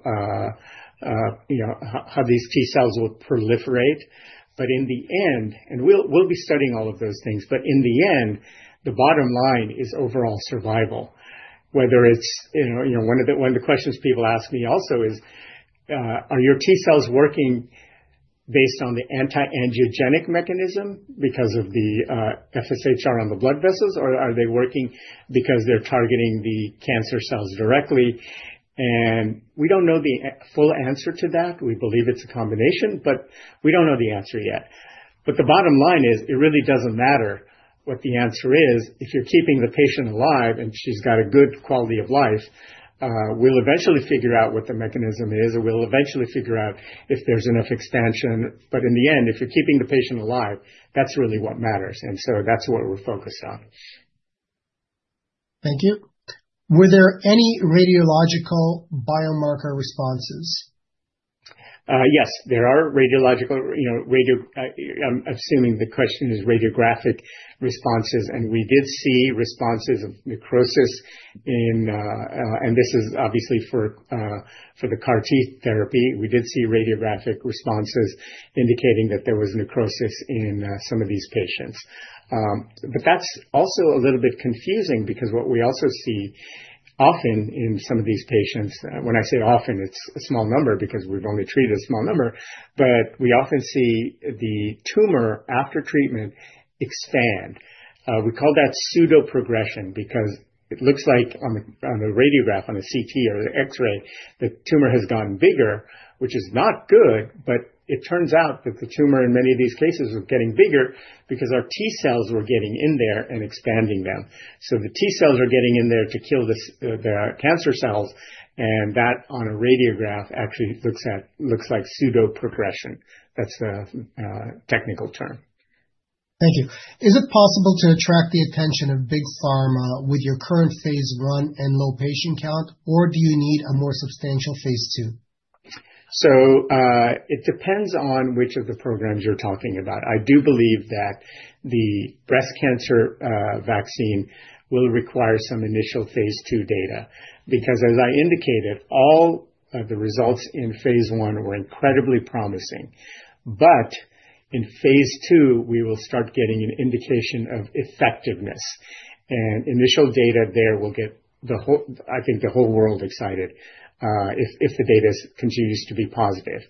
these T-cells will proliferate, but in the end, and we'll be studying all of those things, but in the end, the bottom line is overall survival. Whether it's one of the questions people ask me also is, "Are your T-cells working based on the anti-angiogenic mechanism because of the FSHR on the blood vessels, or are they working because they're targeting the cancer cells directly?" We don't know the full answer to that. We believe it's a combination, but we don't know the answer yet. The bottom line is it really doesn't matter what the answer is. If you're keeping the patient alive and she's got a good quality of life, we'll eventually figure out what the mechanism is, or we'll eventually figure out if there's enough expansion. In the end, if you're keeping the patient alive, that's really what matters. That's what we're focused on. Thank you. Were there any radiological biomarker responses? Yes, there are radiological. I'm assuming the question is radiographic responses, and we did see responses of necrosis in, and this is obviously for the CAR-T therapy. We did see radiographic responses indicating that there was necrosis in some of these patients. That's also a little bit confusing because what we also see often in some of these patients, when I say often, it's a small number because we've only treated a small number, but we often see the tumor after treatment expand. We call that pseudo-progression because it looks like on the radiograph, on a CT or an X-ray, the tumor has gotten bigger, which is not good, but it turns out that the tumor in many of these cases was getting bigger because our T-cells were getting in there and expanding them. The T-cells are getting in there to kill the cancer cells, and that on a radiograph actually looks like pseudo-progression. That's the technical term. Thank you. Is it possible to attract the attention of big pharma with your current phase I and low patient count, or do you need a more substantial phase II? It depends on which of the programs you're talking about. I do believe that the breast cancer vaccine will require some initial phase two data because, as I indicated, all of the results in phase one were incredibly promising. In phase II, we will start getting an indication of effectiveness. Initial data there will get, I think, the whole world excited if the data continues to be positive.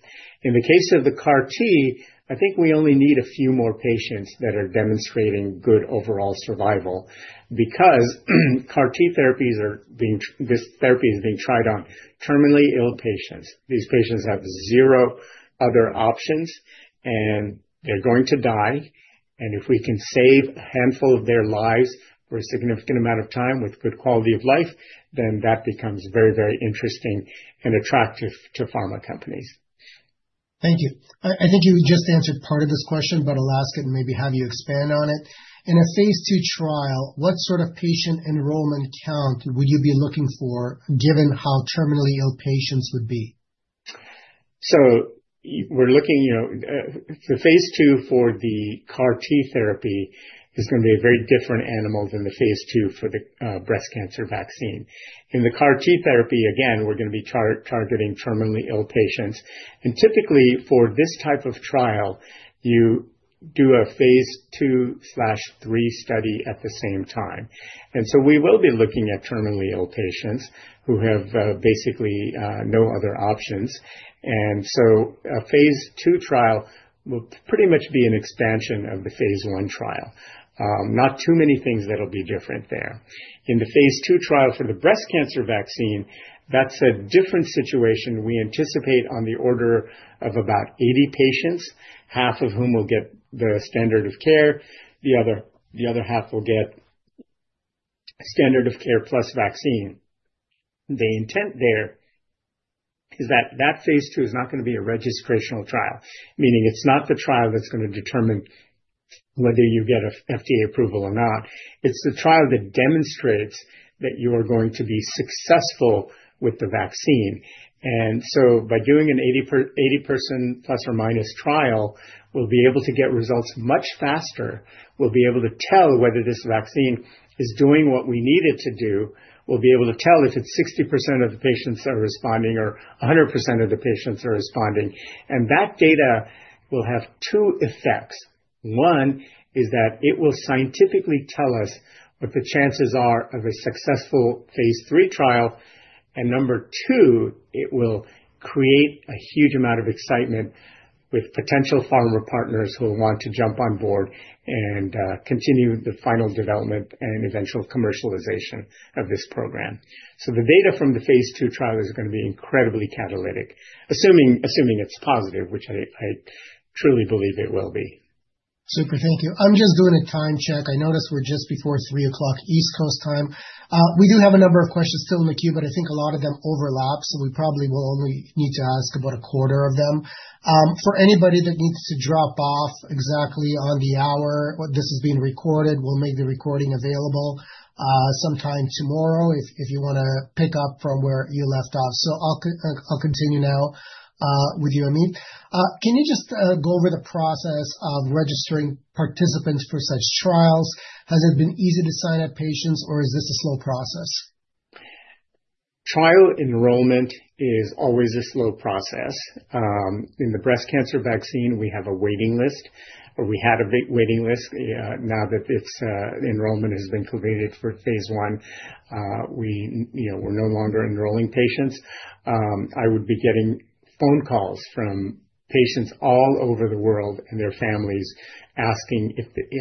In the case of the CAR-T, I think we only need a few more patients that are demonstrating good overall survival because CAR-T therapies are being, this therapy is being tried on terminally ill patients. These patients have zero other options, and they're going to die. If we can save a handful of their lives for a significant amount of time with good quality of life, then that becomes very, very interesting and attractive to pharma companies. Thank you. I think you just answered part of this question, but I'll ask it and maybe have you expand on it. In a phase two trial, what sort of patient enrollment count would you be looking for given how terminally ill patients would be? We're looking for phase two for the CAR-T therapy is going to be a very different animal than the phase two for the breast cancer vaccine. In the CAR-T therapy, again, we're going to be targeting terminally ill patients. Typically, for this type of trial, you do a phase two/three study at the same time. We will be looking at terminally ill patients who have basically no other options. A phase two trial will pretty much be an expansion of the phase one trial. Not too many things that will be different there. In the phase two trial for the breast cancer vaccine, that's a different situation. We anticipate on the order of about 80 patients, half of whom will get the standard of care. The other half will get standard of care plus vaccine. The intent there is that that phase two is not going to be a registrational trial, meaning it's not the trial that's going to determine whether you get FDA approval or not. It's the trial that demonstrates that you are going to be successful with the vaccine. By doing an 80-person plus or minus trial, we'll be able to get results much faster. We'll be able to tell whether this vaccine is doing what we need it to do. We'll be able to tell if it's 60% of the patients that are responding or 100% of the patients that are responding. That data will have two effects. One is that it will scientifically tell us what the chances are of a successful phase three trial. Number two, it will create a huge amount of excitement with potential pharma partners who will want to jump on board and continue the final development and eventual commercialization of this program. The data from the phase II trial is going to be incredibly catalytic, assuming it's positive, which I truly believe it will be. Super. Thank you. I'm just doing a time check. I noticed we're just before 3:00 P.M. East Coast time. We do have a number of questions still in the queue, but I think a lot of them overlap, so we probably will only need to ask about a quarter of them. For anybody that needs to drop off exactly on the hour, this is being recorded. We'll make the recording available sometime tomorrow if you want to pick up from where you left off. I'll continue now with you, Amit. Can you just go over the process of registering participants for such trials? Has it been easy to sign up patients, or is this a slow process? Trial enrollment is always a slow process. In the breast cancer vaccine, we have a waiting list, or we had a waiting list. Now that enrollment has been completed for phase I, we're no longer enrolling patients. I would be getting phone calls from patients all over the world and their families asking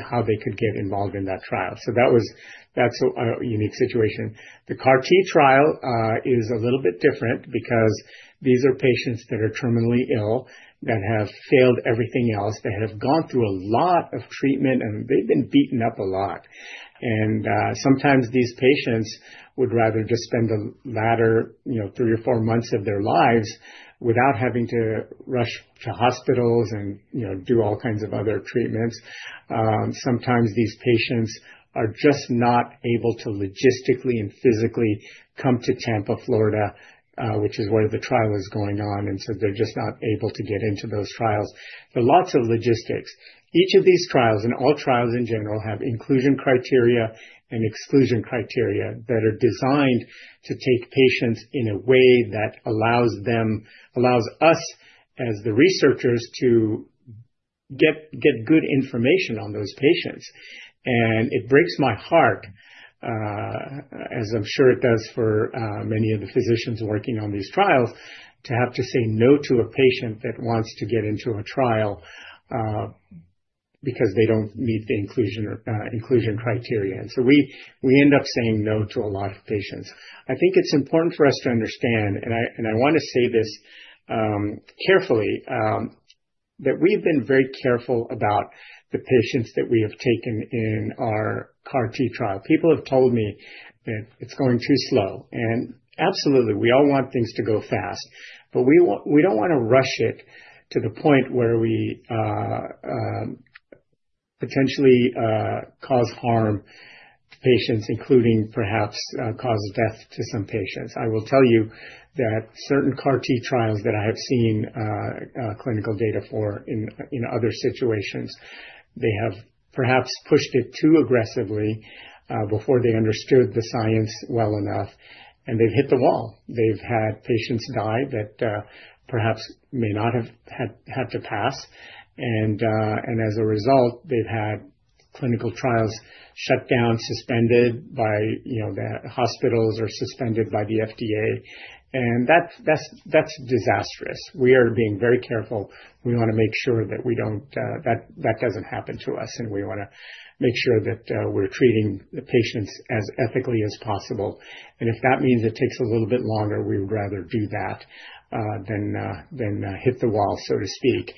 how they could get involved in that trial. That was a unique situation. The CAR-T trial is a little bit different because these are patients that are terminally ill that have failed everything else, that have gone through a lot of treatment, and they've been beaten up a lot. Sometimes these patients would rather just spend the latter three or four months of their lives without having to rush to hospitals and do all kinds of other treatments. Sometimes these patients are just not able to logistically and physically come to Tampa, Florida, which is where the trial is going on. They are just not able to get into those trials. There are lots of logistics. Each of these trials and all trials in general have inclusion criteria and exclusion criteria that are designed to take patients in a way that allows us as the researchers to get good information on those patients. It breaks my heart, as I am sure it does for many of the physicians working on these trials, to have to say no to a patient that wants to get into a trial because they do not meet the inclusion criteria. We end up saying no to a lot of patients. I think it's important for us to understand, and I want to say this carefully, that we've been very careful about the patients that we have taken in our CAR-T trial. People have told me that it's going too slow. Absolutely, we all want things to go fast, but we don't want to rush it to the point where we potentially cause harm to patients, including perhaps cause death to some patients. I will tell you that certain CAR-T trials that I have seen clinical data for in other situations, they have perhaps pushed it too aggressively before they understood the science well enough, and they've hit the wall. They've had patients die that perhaps may not have had to pass. As a result, they've had clinical trials shut down, suspended by the hospitals or suspended by the FDA. That's disastrous. We are being very careful. We want to make sure that that doesn't happen to us, and we want to make sure that we're treating the patients as ethically as possible. If that means it takes a little bit longer, we would rather do that than hit the wall, so to speak.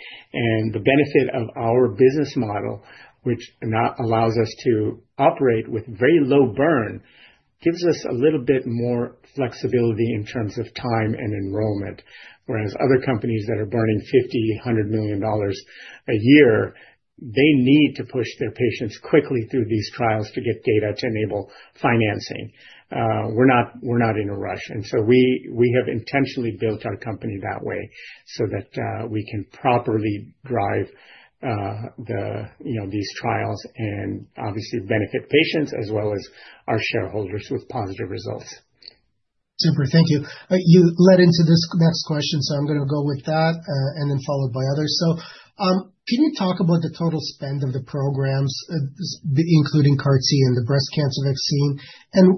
The benefit of our business model, which allows us to operate with very low burn, gives us a little bit more flexibility in terms of time and enrollment. Whereas other companies that are burning $50 million-$100 million a year, they need to push their patients quickly through these trials to get data to enable financing. We're not in a rush. We have intentionally built our company that way so that we can properly drive these trials and obviously benefit patients as well as our shareholders with positive results. Super. Thank you. You led into this next question, so I'm going to go with that and then followed by others. Can you talk about the total spend of the programs, including CAR-T and the breast cancer vaccine?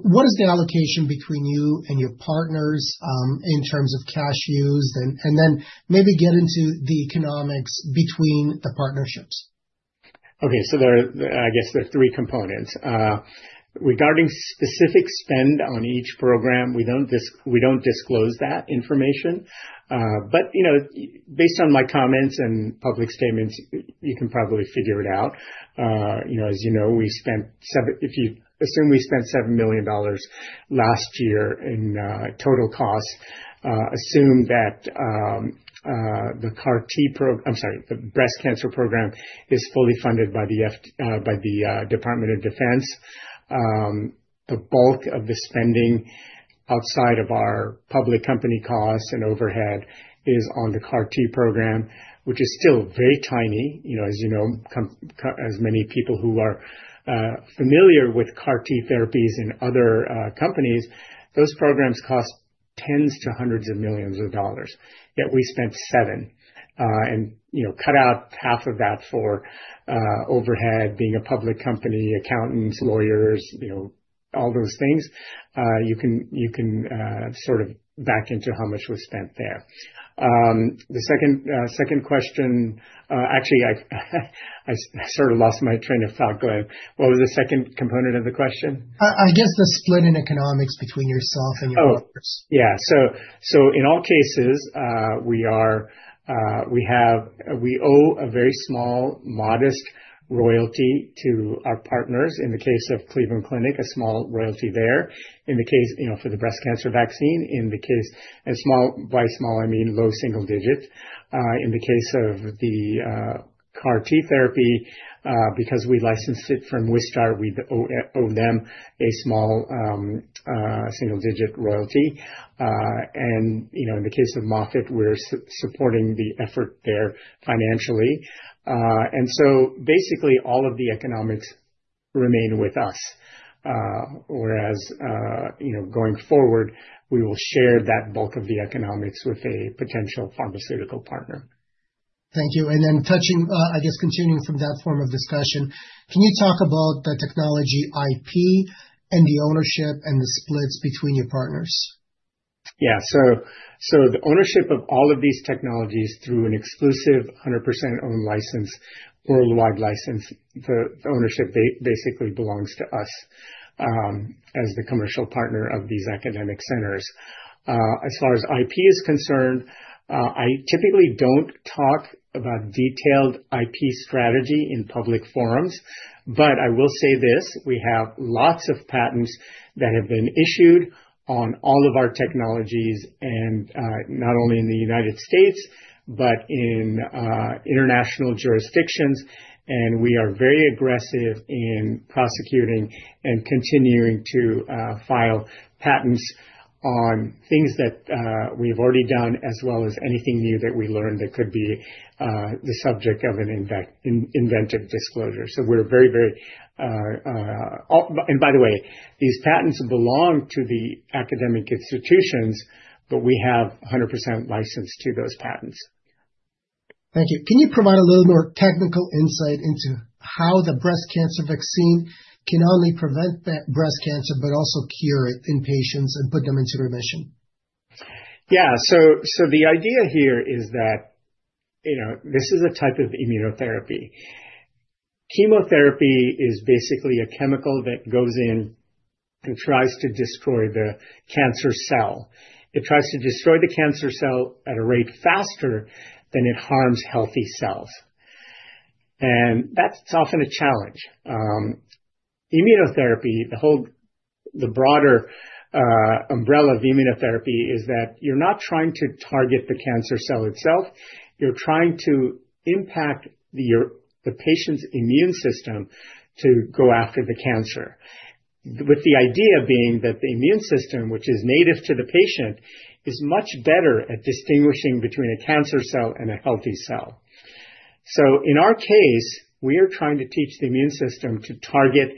What is the allocation between you and your partners in terms of cash used? Maybe get into the economics between the partnerships. Okay. I guess there are three components. Regarding specific spend on each program, we don't disclose that information. Based on my comments and public statements, you can probably figure it out. As you know, if you assume we spent $7 million last year in total costs, assume that the CAR-T program, I'm sorry, the breast cancer program is fully funded by the Department of Defense. The bulk of the spending outside of our public company costs and overhead is on the CAR-T program, which is still very tiny. As you know, as many people who are familiar with CAR-T therapies and other companies, those programs cost tens to hundreds of millions of dollars. Yet we spent $7 million and cut out half of that for overhead being a public company, accountants, lawyers, all those things. You can sort of back into how much was spent there. The second question, actually, I sort of lost my train of thought. What was the second component of the question? I guess the split in economics between yourself and your partners. Oh, yeah. In all cases, we owe a very small, modest royalty to our partners. In the case of Cleveland Clinic, a small royalty there. In the case for the breast cancer vaccine, and by small, I mean low single digits. In the case of the CAR-T therapy, because we licensed it from Wistar, we owe them a small single-digit royalty. In the case of Moffitt, we're supporting the effort there financially. Basically, all of the economics remain with us, whereas going forward, we will share that bulk of the economics with a potential pharmaceutical partner. Thank you. And then touching, I guess, continuing from that form of discussion, can you talk about the technology IP and the ownership and the splits between your partners? Yeah. The ownership of all of these technologies through an exclusive 100% owned license, worldwide license, the ownership basically belongs to us as the commercial partner of these academic centers. As far as IP is concerned, I typically don't talk about detailed IP strategy in public forums, but I will say this: we have lots of patents that have been issued on all of our technologies, not only in the United States, but in international jurisdictions. We are very aggressive in prosecuting and continuing to file patents on things that we've already done, as well as anything new that we learn that could be the subject of an inventive disclosure. We're very, very, and by the way, these patents belong to the academic institutions, but we have 100% license to those patents. Thank you. Can you provide a little more technical insight into how the breast cancer vaccine can not only prevent breast cancer, but also cure it in patients and put them into remission? Yeah. The idea here is that this is a type of immunotherapy. Chemotherapy is basically a chemical that goes in and tries to destroy the cancer cell. It tries to destroy the cancer cell at a rate faster than it harms healthy cells. That's often a challenge. Immunotherapy, the broader umbrella of immunotherapy, is that you're not trying to target the cancer cell itself. You're trying to impact the patient's immune system to go after the cancer, with the idea being that the immune system, which is native to the patient, is much better at distinguishing between a cancer cell and a healthy cell. In our case, we are trying to teach the immune system to target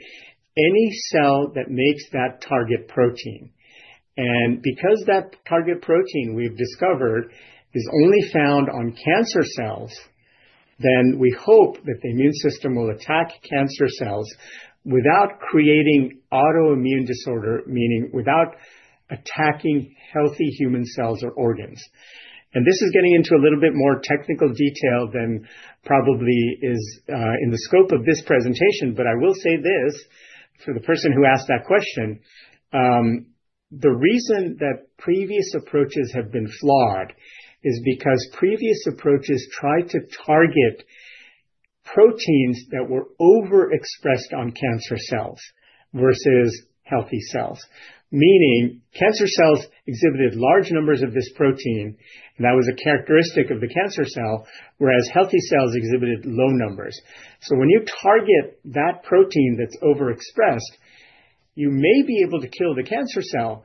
any cell that makes that target protein. Because that target protein we have discovered is only found on cancer cells, we hope that the immune system will attack cancer cells without creating autoimmune disorder, meaning without attacking healthy human cells or organs. This is getting into a little bit more technical detail than probably is in the scope of this presentation, but I will say this for the person who asked that question: the reason that previous approaches have been flawed is because previous approaches tried to target proteins that were overexpressed on cancer cells versus healthy cells, meaning cancer cells exhibited large numbers of this protein, and that was a characteristic of the cancer cell, whereas healthy cells exhibited low numbers. When you target that protein that's overexpressed, you may be able to kill the cancer cell,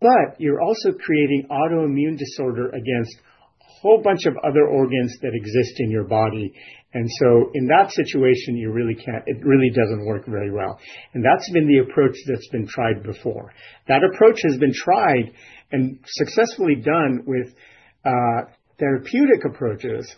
but you're also creating autoimmune disorder against a whole bunch of other organs that exist in your body. In that situation, it really doesn't work very well. That's been the approach that's been tried before. That approach has been tried and successfully done with therapeutic approaches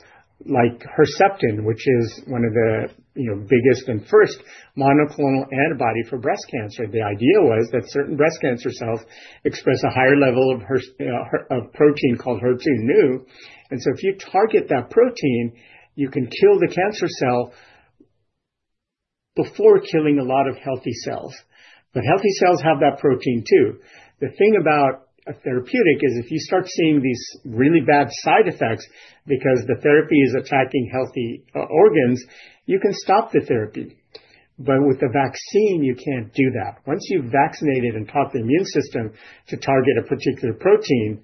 like Herceptin, which is one of the biggest and first monoclonal antibodies for breast cancer. The idea was that certain breast cancer cells express a higher level of protein called HER2/neu. If you target that protein, you can kill the cancer cell before killing a lot of healthy cells. Healthy cells have that protein too. The thing about a therapeutic is if you start seeing these really bad side effects because the therapy is attacking healthy organs, you can stop the therapy. With a vaccine, you cannot do that. Once you have vaccinated and taught the immune system to target a particular protein,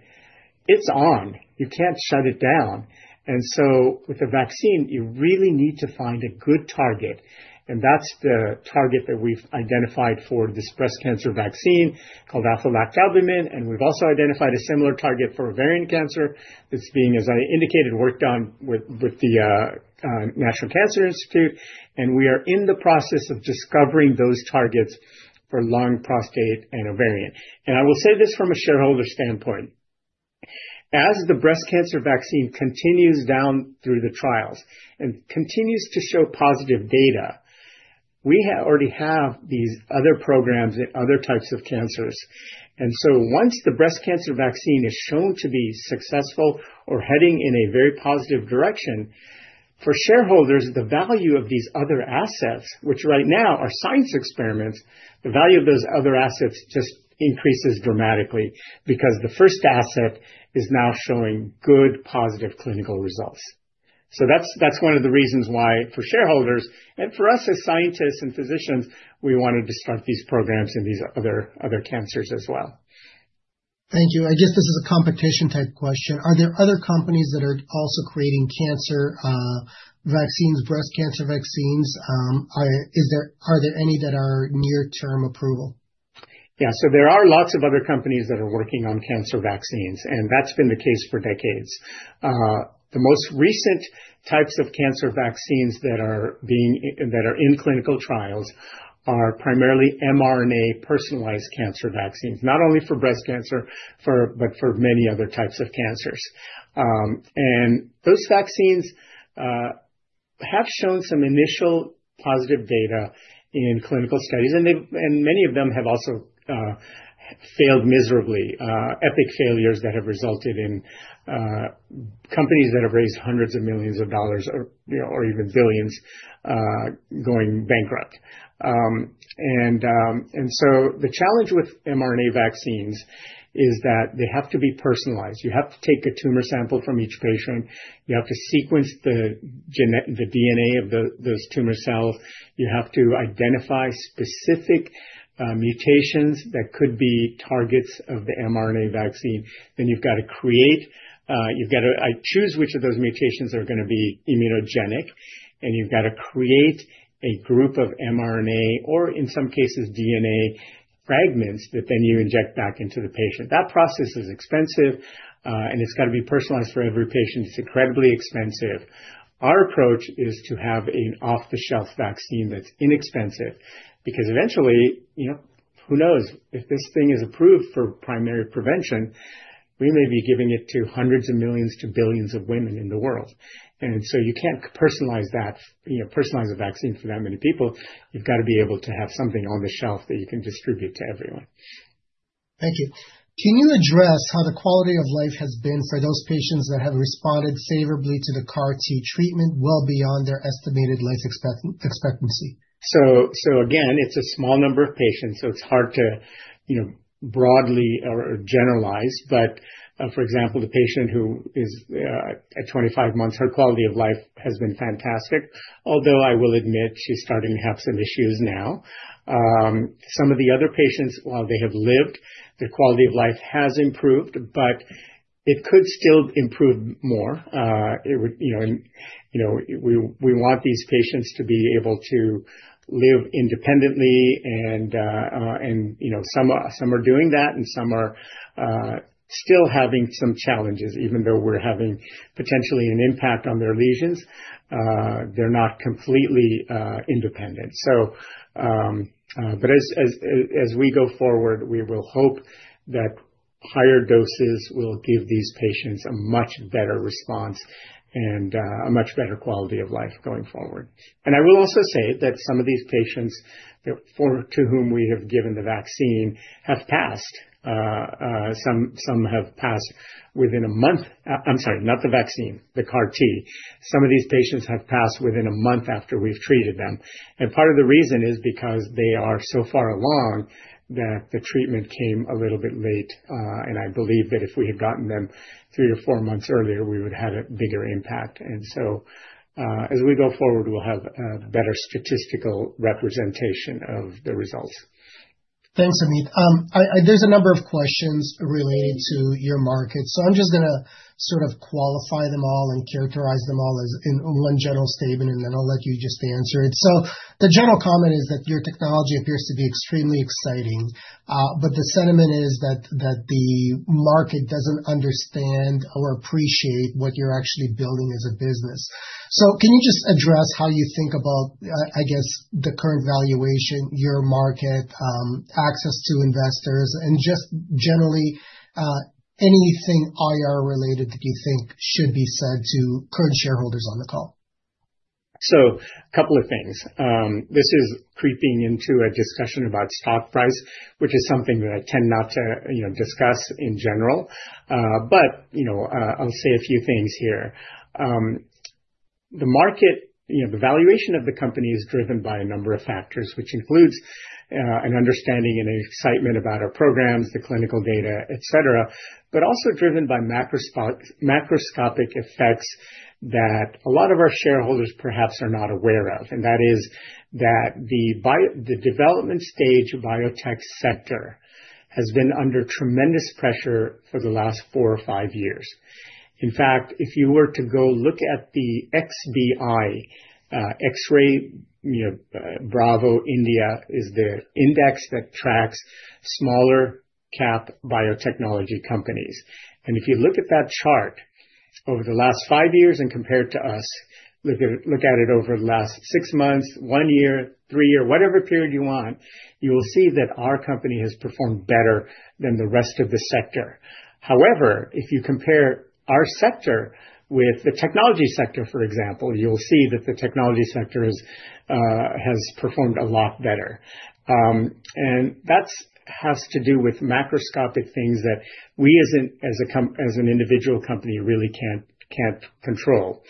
it is on. You cannot shut it down. With a vaccine, you really need to find a good target. That is the target that we have identified for this breast cancer vaccine called alpha-lactalbumin. We have also identified a similar target for ovarian cancer that is being, as I indicated, worked on with the National Cancer Institute. We are in the process of discovering those targets for lung, prostate, and ovarian. I will say this from a shareholder standpoint. As the breast cancer vaccine continues down through the trials and continues to show positive data, we already have these other programs and other types of cancers. Once the breast cancer vaccine is shown to be successful or heading in a very positive direction, for shareholders, the value of these other assets, which right now are science experiments, the value of those other assets just increases dramatically because the first asset is now showing good positive clinical results. That is one of the reasons why for shareholders and for us as scientists and physicians, we wanted to start these programs in these other cancers as well. Thank you. I guess this is a competition-type question. Are there other companies that are also creating cancer vaccines, breast cancer vaccines? Are there any that are near-term approval? Yeah. There are lots of other companies that are working on cancer vaccines, and that's been the case for decades. The most recent types of cancer vaccines that are in clinical trials are primarily mRNA personalized cancer vaccines, not only for breast cancer, but for many other types of cancers. Those vaccines have shown some initial positive data in clinical studies, and many of them have also failed miserably, epic failures that have resulted in companies that have raised hundreds of millions of dollars or even billions going bankrupt. The challenge with mRNA vaccines is that they have to be personalized. You have to take a tumor sample from each patient. You have to sequence the DNA of those tumor cells. You have to identify specific mutations that could be targets of the mRNA vaccine. You have got to create, you have got to choose which of those mutations are going to be immunogenic, and you have got to create a group of mRNA or, in some cases, DNA fragments that you inject back into the patient. That process is expensive, and it has got to be personalized for every patient. It is incredibly expensive. Our approach is to have an off-the-shelf vaccine that is inexpensive because eventually, who knows? If this thing is approved for primary prevention, we may be giving it to hundreds of millions to billions of women in the world. You cannot personalize a vaccine for that many people. You have got to be able to have something on the shelf that you can distribute to everyone. Thank you. Can you address how the quality of life has been for those patients that have responded favorably to the CAR-T treatment well beyond their estimated life expectancy? Again, it's a small number of patients, so it's hard to broadly generalize. For example, the patient who is at 25 months, her quality of life has been fantastic, although I will admit she's starting to have some issues now. Some of the other patients, while they have lived, their quality of life has improved, but it could still improve more. We want these patients to be able to live independently, and some are doing that, and some are still having some challenges, even though we're having potentially an impact on their lesions. They're not completely independent. As we go forward, we will hope that higher doses will give these patients a much better response and a much better quality of life going forward. I will also say that some of these patients to whom we have given the vaccine have passed. Some have passed within a month. I'm sorry, not the vaccine, the CAR-T. Some of these patients have passed within a month after we've treated them. Part of the reason is because they are so far along that the treatment came a little bit late. I believe that if we had gotten them three or four months earlier, we would have had a bigger impact. As we go forward, we'll have a better statistical representation of the results. Thanks, Amit. There's a number of questions related to your market. I'm just going to sort of qualify them all and characterize them all in one general statement, and then I'll let you just answer it. The general comment is that your technology appears to be extremely exciting, but the sentiment is that the market doesn't understand or appreciate what you're actually building as a business. Can you just address how you think about, I guess, the current valuation, your market, access to investors, and just generally anything IR-related that you think should be said to current shareholders on the call? A couple of things. This is creeping into a discussion about stock price, which is something that I tend not to discuss in general. I'll say a few things here. The valuation of the company is driven by a number of factors, which includes an understanding and excitement about our programs, the clinical data, etc., but also driven by macroscopic effects that a lot of our shareholders perhaps are not aware of. That is that the development stage biotech sector has been under tremendous pressure for the last four or five years. In fact, if you were to go look at the XBI, X-ray Bravo India is the index that tracks smaller cap biotechnology companies. If you look at that chart over the last five years and compare it to us, look at it over the last six months, one year, three years, whatever period you want, you will see that our company has performed better than the rest of the sector. However, if you compare our sector with the technology sector, for example, you'll see that the technology sector has performed a lot better. That has to do with macroscopic things that we, as an individual company, really can't control.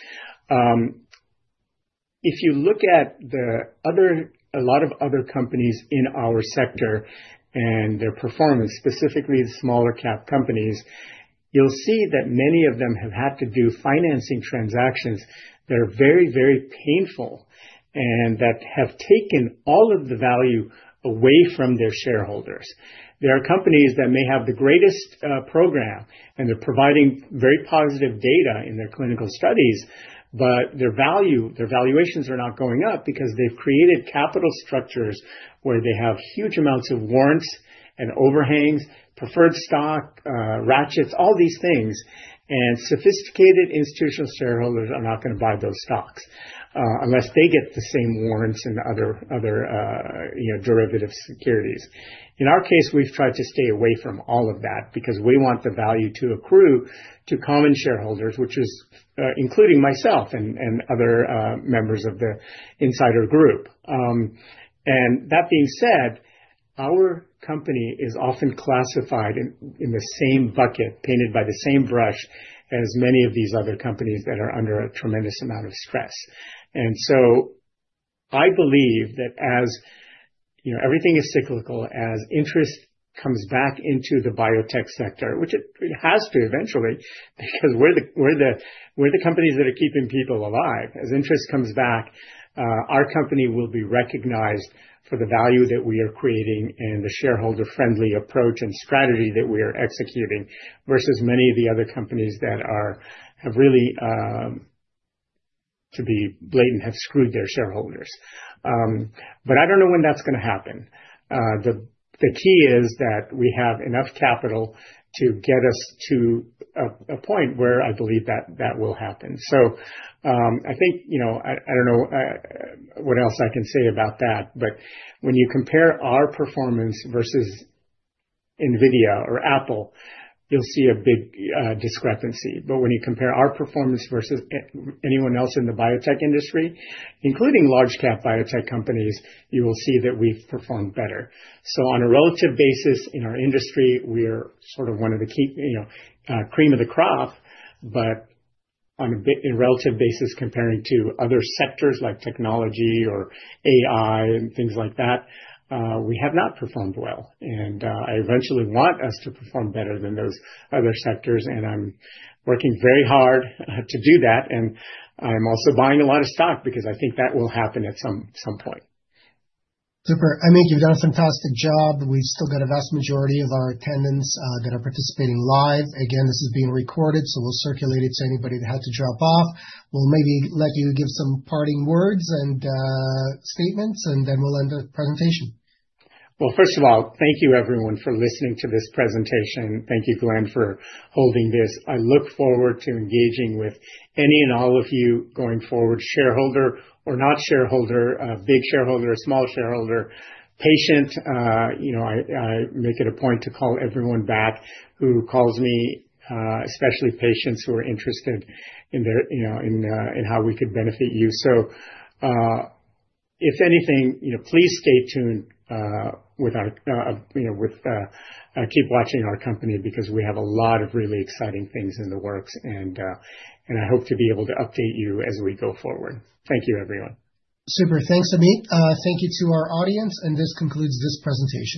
If you look at a lot of other companies in our sector and their performance, specifically the smaller cap companies, you'll see that many of them have had to do financing transactions that are very, very painful and that have taken all of the value away from their shareholders. There are companies that may have the greatest program, and they're providing very positive data in their clinical studies, but their valuations are not going up because they've created capital structures where they have huge amounts of warrants and overhangs, preferred stock, ratchets, all these things. Sophisticated institutional shareholders are not going to buy those stocks unless they get the same warrants and other derivative securities. In our case, we've tried to stay away from all of that because we want the value to accrue to common shareholders, which is including myself and other members of the insider group. That being said, our company is often classified in the same bucket, painted by the same brush as many of these other companies that are under a tremendous amount of stress. I believe that as everything is cyclical, as interest comes back into the biotech sector, which it has to eventually because we're the companies that are keeping people alive, as interest comes back, our company will be recognized for the value that we are creating and the shareholder-friendly approach and strategy that we are executing versus many of the other companies that have really, to be blatant, have screwed their shareholders. I don't know when that's going to happen. The key is that we have enough capital to get us to a point where I believe that that will happen. I think I don't know what else I can say about that, but when you compare our performance versus Nvidia or Apple, you'll see a big discrepancy. When you compare our performance versus anyone else in the biotech industry, including large cap biotech companies, you will see that we've performed better. On a relative basis, in our industry, we're sort of one of the cream of the crop, but on a relative basis, comparing to other sectors like technology or AI and things like that, we have not performed well. I eventually want us to perform better than those other sectors, and I'm working very hard to do that. I'm also buying a lot of stock because I think that will happen at some point. Super. Amit, you've done a fantastic job. We've still got a vast majority of our attendants that are participating live. Again, this is being recorded, so we'll circulate it to anybody that had to drop off. We'll maybe let you give some parting words and statements, and then we'll end the presentation. First of all, thank you, everyone, for listening to this presentation. Thank you, Glenn, for holding this. I look forward to engaging with any and all of you going forward, shareholder or not shareholder, big shareholder, small shareholder, patient. I make it a point to call everyone back who calls me, especially patients who are interested in how we could benefit you. If anything, please stay tuned with our keep watching our company because we have a lot of really exciting things in the works, and I hope to be able to update you as we go forward. Thank you, everyone. Super. Thanks, Amit. Thank you to our audience, and this concludes this presentation.